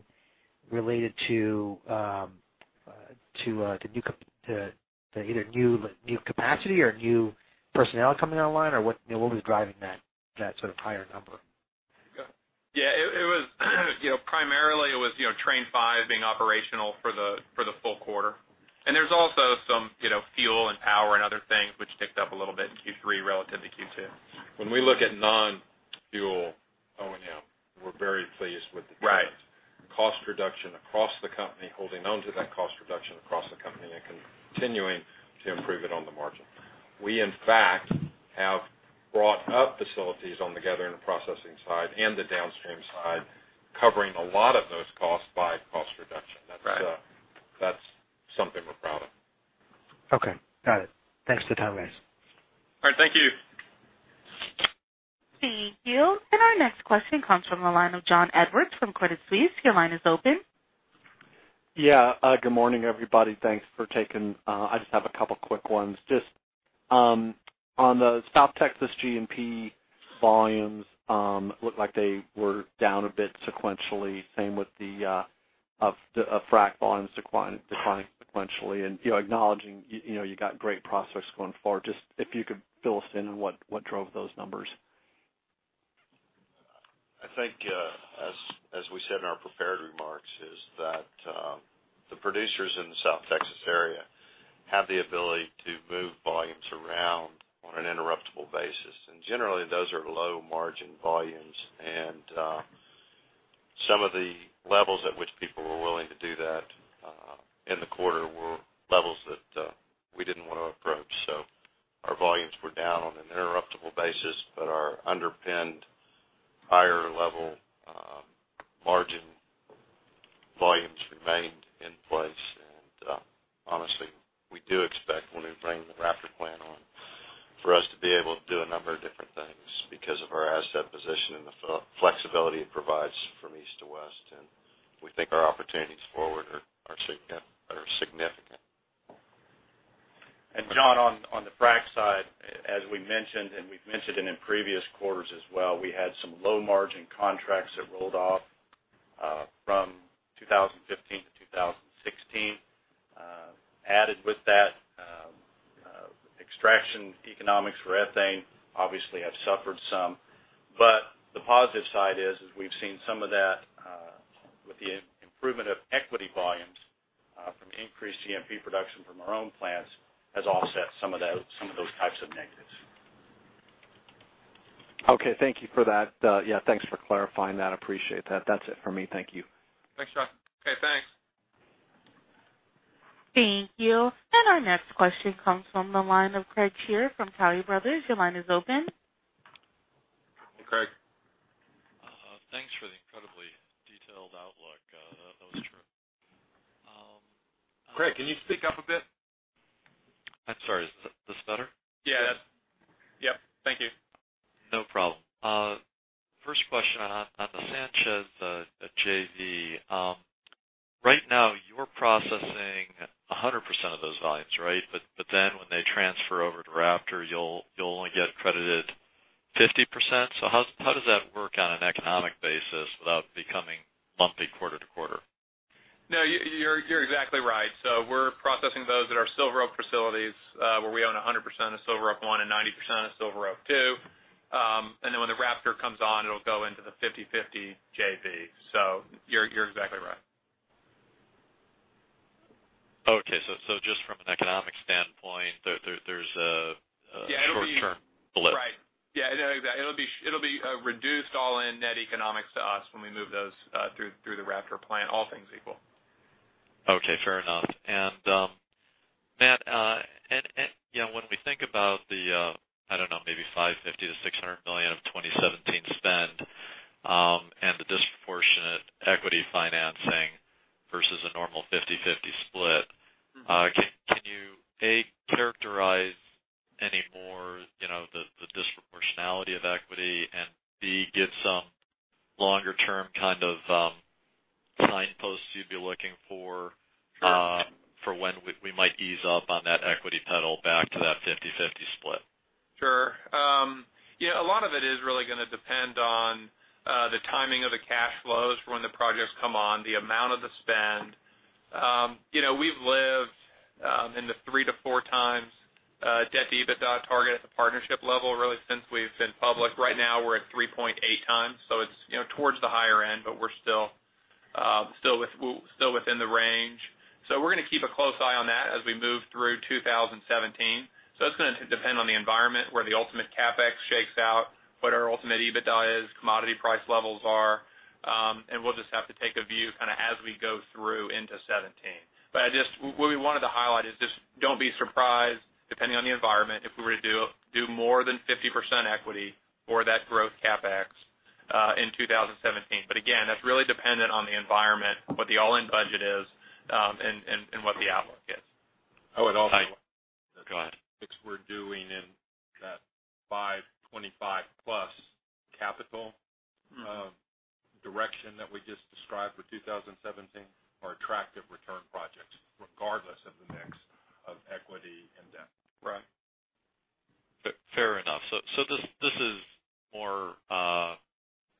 related to either new capacity or new personnel coming online, or what was driving that sort of higher number? Yeah. Primarily, it was Train Five being operational for the full quarter. There's also some fuel and power and other things which ticked up a little bit in Q3 relative to Q2. When we look at non-fuel O&M, we're very pleased with the trends. Right. Cost reduction across the company, holding on to that cost reduction across the company, continuing to improve it on the margin. We, in fact, have brought up facilities on the Gathering and Processing side and the downstream side, covering a lot of those costs by cost reduction. Right. That's something we're proud of. Okay. Got it. Thanks for the time, guys. All right. Thank you. Thank you. Our next question comes from the line of John Edwards from Credit Suisse. Your line is open. Good morning, everybody. I just have a couple quick ones. Just on the South Texas G&P volumes, looked like they were down a bit sequentially, same with the frac volumes declining sequentially. Acknowledging you got great prospects going forward, just if you could fill us in on what drove those numbers. I think, as we said in our prepared remarks, is that the producers in the South Texas area have the ability to move volumes around on an interruptible basis. Generally, those are low-margin volumes. Some of the levels at which people were willing to do that in the quarter were levels that we didn't want to approach. Our volumes were down on an interruptible basis, but our underpinned higher level margin volumes remained in place. Honestly, we do expect when we bring the Raptor plant on, for us to be able to do a number of different things because of our asset position and the flexibility it provides from east to west. We think our opportunities forward are significant. John, on the frac side, as we mentioned, and we've mentioned it in previous quarters as well, we had some low-margin contracts that rolled off from 2015 to 2016. Added with that, extraction economics for ethane obviously have suffered some. The positive side is, we've seen some of that with the improvement of equity volumes from increased G&P production from our own plants has offset some of those types of negatives. Okay. Thank you for that. Yeah, thanks for clarifying that. Appreciate that. That's it for me. Thank you. Thanks, John. Okay, thanks. Thank you. Our next question comes from the line of Craig Shere from Tuohy Brothers. Your line is open. Hey, Craig. Thanks for the incredibly detailed outlook. That was terrific. Craig, can you speak up a bit? I'm sorry. Is this better? Yes. Yes. Yep. Thank you. No problem. First question on the Sanchez JV. Right now you're processing 100% of those volumes, right? When they transfer over to Raptor, you'll only get credited 50%? How does that work on an economic basis without becoming lumpy quarter-over-quarter? No, you're exactly right. We're processing those at our Silver Oak facilities, where we own 100% of Silver Oak 1 and 90% of Silver Oak 2. When the Raptor comes on, it'll go into the 50/50 JV. You're exactly right. Okay. Just from an economic standpoint, there's a short-term blip. Right. Yeah, it'll be a reduced all-in net economics to us when we move those through the Raptor plant, all things equal. Okay. Fair enough. Matt, when we think about the, I don't know, maybe $550 million-$600 million of 2017 spend, and the disproportionate equity financing versus a normal 50/50 split, can you, A, characterize any more the disproportionality of equity, and B, give some longer-term kind of signposts you'd be looking for? Sure For when we might ease up on that equity pedal back to that 50/50 split? Sure. A lot of it is really gonna depend on the timing of the cash flows for when the projects come on, the amount of the spend. We've lived in the three to four times debt to EBITDA target at the partnership level, really since we've been public. Right now we're at 3.8 times, so it's towards the higher end, but we're still within the range. We're going to keep a close eye on that as we move through 2017. It's going to depend on the environment, where the ultimate CapEx shakes out, what our ultimate EBITDA is, commodity price levels are. We'll just have to take a view as we go through into 2017. What we wanted to highlight is just don't be surprised, depending on the environment, if we were to do more than 50% equity for that growth CapEx in 2017. Again, that's really dependent on the environment, what the all-in budget is, and what the outlook is. I would also- Go ahead. Which we're doing in that 525-plus capital direction that we just described for 2017 are attractive return projects, regardless of the mix of equity and debt. Right. Fair enough. This is more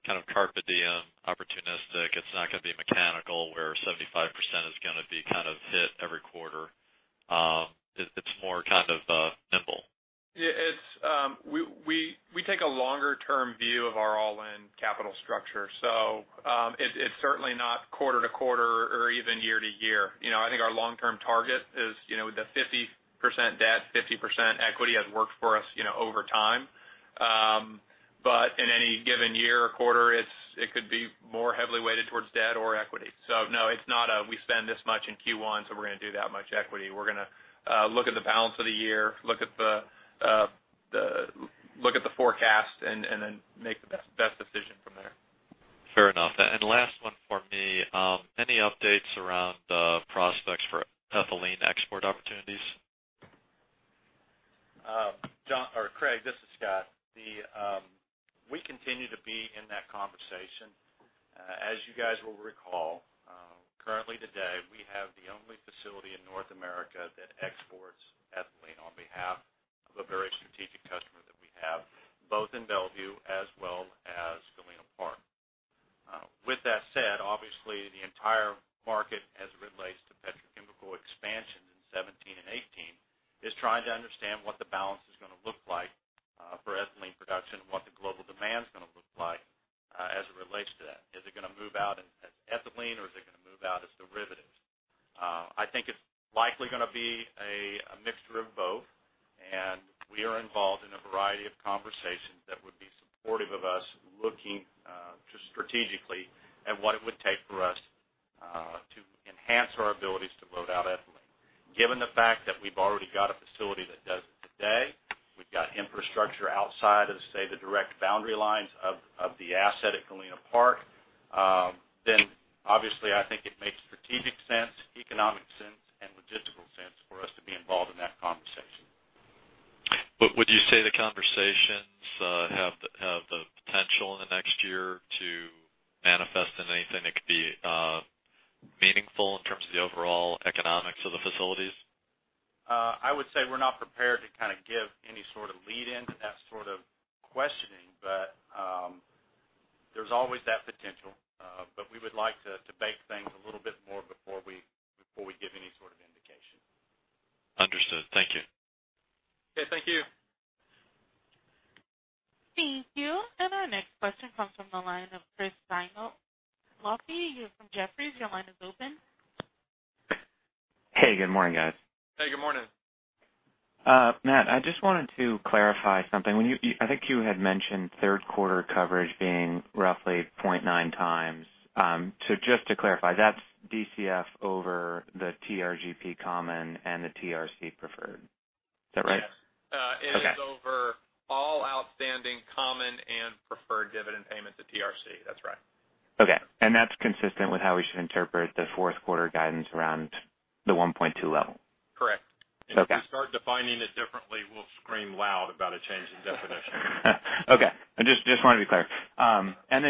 kind of carpe diem, opportunistic. It's not going to be mechanical where 75% is going to be hit every quarter. It's more nimble. We take a longer term view of our all-in capital structure. It's certainly not quarter to quarter or even year to year. I think our long-term target is the 50% debt, 50% equity has worked for us over time. In any given year or quarter, it could be more heavily weighted towards debt or equity. No, it's not a "we spend this much in Q1, so we're going to do that much equity." We're going to look at the balance of the year, look at the forecast, make the best decision from there. Fair enough. Last one for me. Any updates around the prospects for ethylene export opportunities? Craig, this is Scott. We continue to be in that conversation. As you guys will recall, currently today, we have the only facility in North America that exports ethylene on behalf of a very strategic customer that we have, both in Belvieu as well as Galena Park. With that said, obviously the entire market as it relates to petrochemical expansions in 2017 and 2018, is trying to understand what the balance is going to look like for ethylene production and what the global demand's going to look like as it relates to that. Is it going to move out as ethylene or is it going to move out as derivatives? I think it's likely going to be a mixture of both. We are involved in a variety of conversations that would be supportive of us looking just strategically at what it would take for us to enhance our abilities to load out ethylene. Given the fact that we've already got a facility that does it today, we've got infrastructure outside of, say, the direct boundary lines of the asset at Galena Park, obviously I think it makes strategic sense, economic sense, and logistical sense for us to be involved in that conversation. Would you say the conversations have the potential in the next year to manifest in anything that could be meaningful in terms of the overall economics of the facilities? I would say we're not prepared to give any sort of lead into that sort of questioning. There's always that potential. We would like to bake things a little bit more before we give any sort of indication. Understood. Thank you. Okay, thank you. Thank you. Our next question comes from the line of Chris from Jefferies, your line is open. Hey, good morning, guys. Hey, good morning. Matt, I just wanted to clarify something. I think you had mentioned third quarter coverage being roughly 0.9 times. Just to clarify, that's DCF over the TRGP common and the TRC preferred. Is that right? Yes. Okay. It is over all outstanding common and preferred dividend payments at TRC. That's right. Okay. That's consistent with how we should interpret the fourth quarter guidance around the 1.20 level? Correct. Okay. If we start defining it differently, we'll scream loud about a change in definition. Okay. I just wanted to be clear.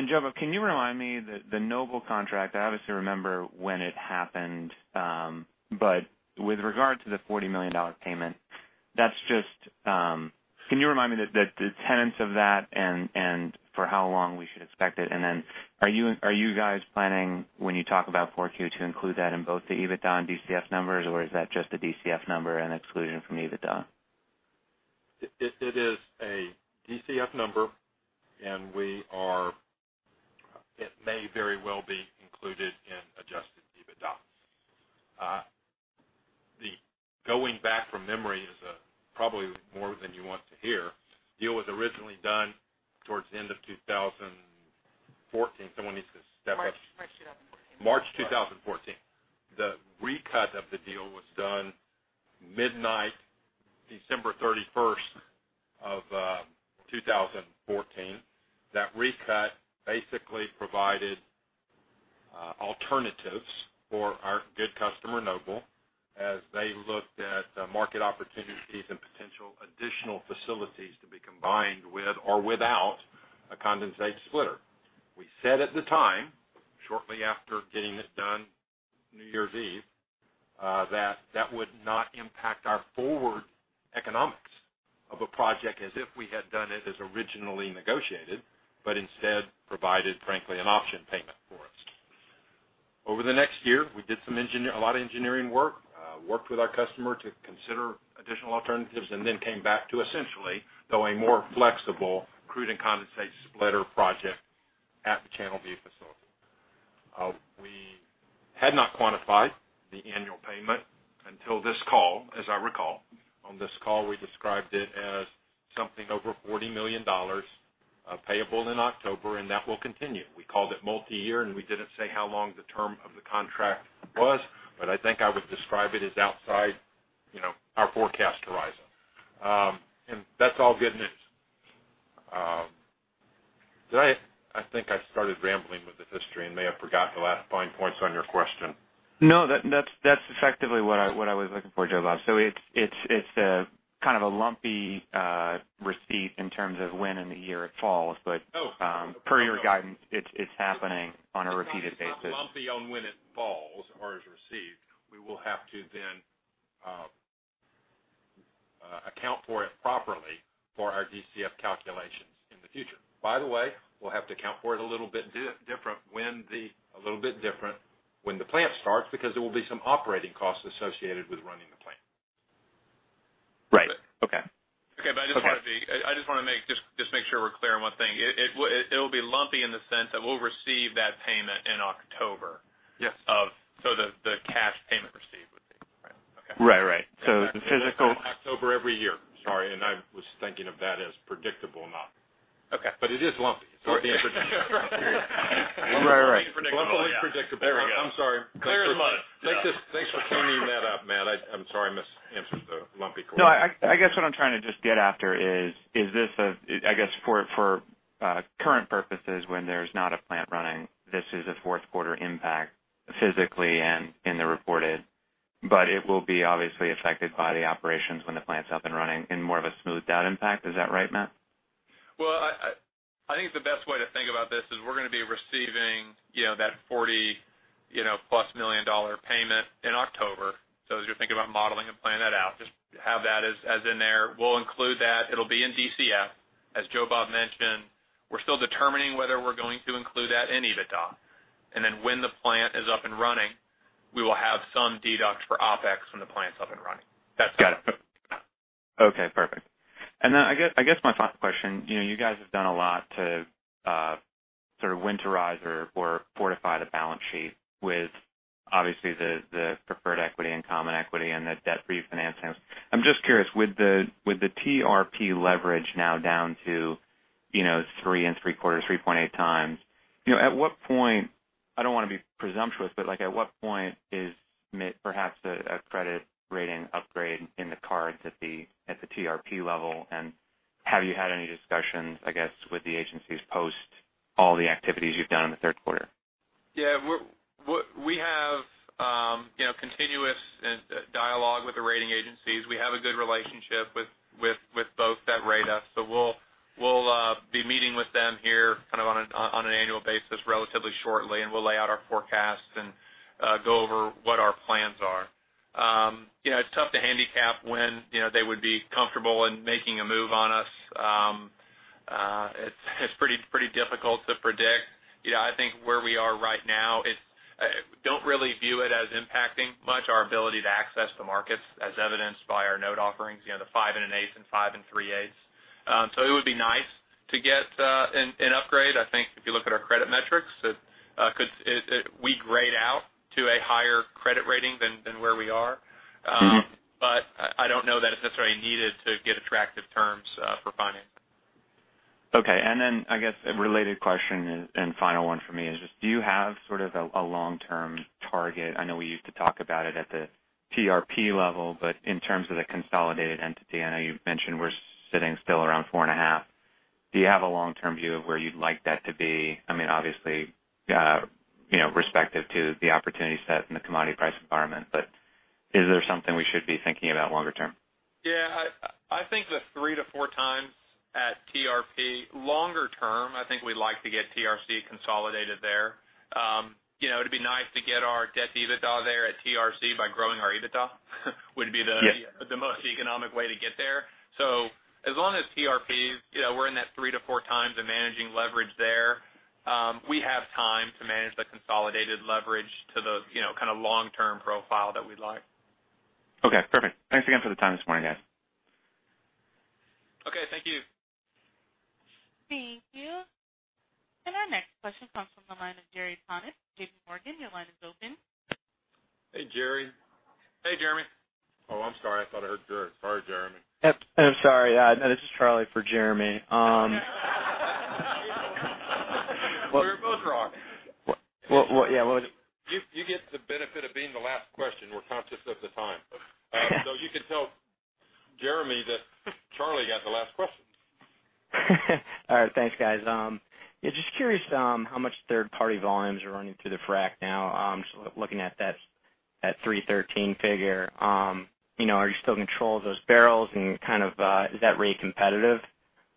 Joe Bob, can you remind me, the Noble contract, I obviously remember when it happened. With regard to the $40 million payment, can you remind me the tenets of that and for how long we should expect it? Are you guys planning, when you talk about 4Q, to include that in both the EBITDA and DCF numbers, or is that just a DCF number and exclusion from EBITDA? It is a DCF number. It may very well be included in adjusted EBITDA. Going back from memory is probably more than you want to hear. Deal was originally done towards the end of 2014. Someone needs to step up. March 2014. March 2014. The recut of the deal was done midnight December 31st of 2014. That recut basically provided alternatives for our good customer, Noble, as they looked at market opportunities and potential additional facilities to be combined with or without a condensate splitter. We said at the time, shortly after getting this done, New Year's Eve, that that would not impact our forward economics. Of a project as if we had done it as originally negotiated, but instead provided, frankly, an option payment for us. Over the next year, we did a lot of engineering work, worked with our customer to consider additional alternatives. Then came back to essentially, though a more flexible crude and condensate splitter project at the Channelview facility. We had not quantified the annual payment until this call, as I recall. On this call, we described it as something over $40 million payable in October. That will continue. We called it multi-year. We didn't say how long the term of the contract was, but I think I would describe it as outside our forecast horizon. That's all good news. I think I started rambling with the history and may have forgot the last fine points on your question. No, that's effectively what I was looking for, Joe Bob. It's kind of a lumpy receipt in terms of when in the year it falls. No per your guidance, it's happening on a repeated basis. Lumpy on when it falls or is received. We will have to then account for it properly for our DCF calculations in the future. By the way, we'll have to account for it a little bit different when the plant starts, because there will be some operating costs associated with running the plant. Right. Okay. Okay. I just want to make sure we're clear on one thing. It'll be lumpy in the sense that we'll receive that payment in October. Yes. The cash payment received would be. Right. Okay. Right. October every year. Sorry, I was thinking of that as predictable and not. Okay. It is lumpy. It's lumpily predictable. Right. Lumpily predictable, yeah. I'm sorry. Clear the mud. Yeah. Thanks for cleaning that up, Matt. I'm sorry I misanswered the lumpy question. I guess what I'm trying to just get after is, I guess for current purposes, when there's not a plant running, this is a fourth quarter impact physically and in the reported, but it will be obviously affected by the operations when the plant's up and running in more of a smoothed out impact. Is that right, Matt? Well, I think the best way to think about this is we're going to be receiving that $40-plus million payment in October. As you're thinking about modeling and planning that out, just have that as in there. We'll include that. It'll be in DCF. As Joe Bob mentioned, we're still determining whether we're going to include that in EBITDA. When the plant is up and running, we will have some deduct for OpEx when the plant's up and running. Got it. Okay, perfect. I guess my final question, you guys have done a lot to sort of winterize or fortify the balance sheet with, obviously, the preferred equity and common equity and the debt refinancing. I'm just curious. With the TRP leverage now down to 3.75, 3.8 times, at what point, I don't want to be presumptuous, but at what point is perhaps a credit rating upgrade in the cards at the TRP level? Have you had any discussions, I guess, with the agencies post all the activities you've done in the third quarter? Yeah. We have continuous dialogue with the rating agencies. We have a good relationship with both that rate us. We'll be meeting with them here on an annual basis relatively shortly, and we'll lay out our forecasts and go over what our plans are. It's tough to handicap when they would be comfortable in making a move on us. It's pretty difficult to predict. I think where we are right now, we don't really view it as impacting much our ability to access the markets, as evidenced by our note offerings, the five and an eighth and five and three-eighths. It would be nice to get an upgrade. I think if you look at our credit metrics, we grade out to a higher credit rating than where we are. I don't know that it's necessarily needed to get attractive terms for financing. Okay. I guess a related question and final one for me is just, do you have sort of a long-term target? I know we used to talk about it at the TRP level, but in terms of the consolidated entity, I know you've mentioned we're sitting still around four and a half. Do you have a long-term view of where you'd like that to be? Obviously, respective to the opportunity set and the commodity price environment. Is there something we should be thinking about longer term? Yeah. I think the three to four times at TRP. Longer term, I think we'd like to get TRC consolidated there. It'd be nice to get our debt EBITDA there at TRC by growing our EBITDA would be. Yes most economic way to get there. As long as TRP, we're in that 3-4 times and managing leverage there, we have time to manage the consolidated leverage to the long-term profile that we'd like. Okay, perfect. Thanks again for the time this morning, guys. Okay, thank you. Thank you. Our next question comes from the line of Jeremy Tonet, J.P. Morgan. Your line is open. Hey, Jerry. Hey, Jeremy. Oh, I'm sorry. I thought I heard Jerry. Sorry, Jeremy. I'm sorry. This is Charlie for Jeremy. Well, you're both wrong. Yeah. What was it? You get the benefit of being the last question. We're conscious of the time. You can tell Jeremy that Charlie got the last question. All right. Thanks, guys. Yeah, just curious how much third-party volumes are running through the frac now. Just looking at that 313 figure. Are you still in control of those barrels, and is that rate competitive?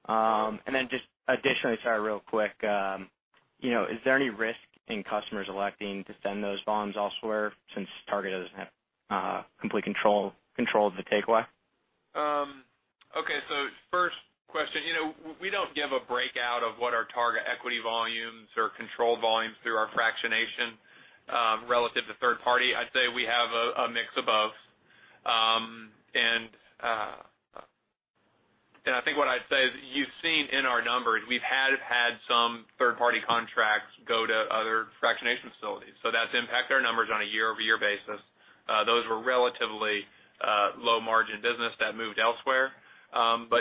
Additionally, sorry, real quick. Is there any risk in customers electing to send those volumes elsewhere since Targa doesn't have complete control of the takeaway? First question, we don't give a breakout of what our Targa equity volumes or control volumes through our fractionation relative to third party. I'd say we have a mix of both. I think what I'd say is you've seen in our numbers, we've had some third-party contracts go to other fractionation facilities. That's impacted our numbers on a year-over-year basis. Those were relatively low margin business that moved elsewhere.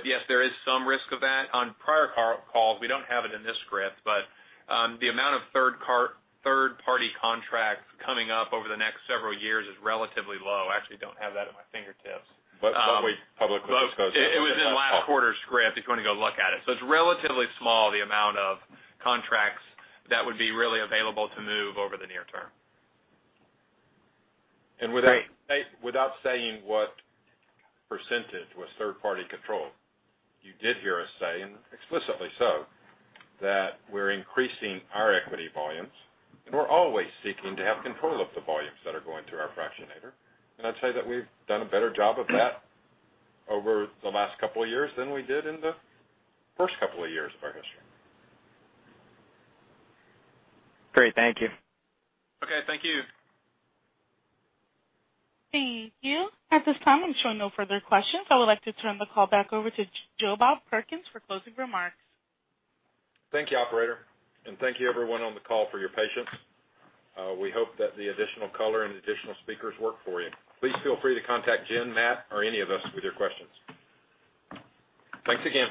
Yes, there is some risk of that. On prior calls, we don't have it in this script, but the amount of third-party contracts coming up over the next several years is relatively low. I actually don't have that at my fingertips. What we publicly disclosed It was in last quarter's script if you want to go look at it. It's relatively small, the amount of contracts that would be really available to move over the near term. Without saying what percentage was third-party control, you did hear us say, and explicitly so, that we're increasing our equity volumes, we're always seeking to have control of the volumes that are going through our fractionator. I'd say that we've done a better job of that over the last couple of years than we did in the first couple of years of our history. Great. Thank you. Okay. Thank you. Thank you. At this time, I'm showing no further questions. I would like to turn the call back over to Joe Bob Perkins for closing remarks. Thank you, operator. Thank you everyone on the call for your patience. We hope that the additional color and additional speakers work for you. Please feel free to contact Jen, Matt, or any of us with your questions. Thanks again.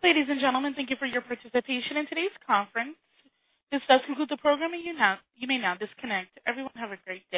Ladies and gentlemen, thank you for your participation in today's conference. This does conclude the program. You may now disconnect. Everyone, have a great day.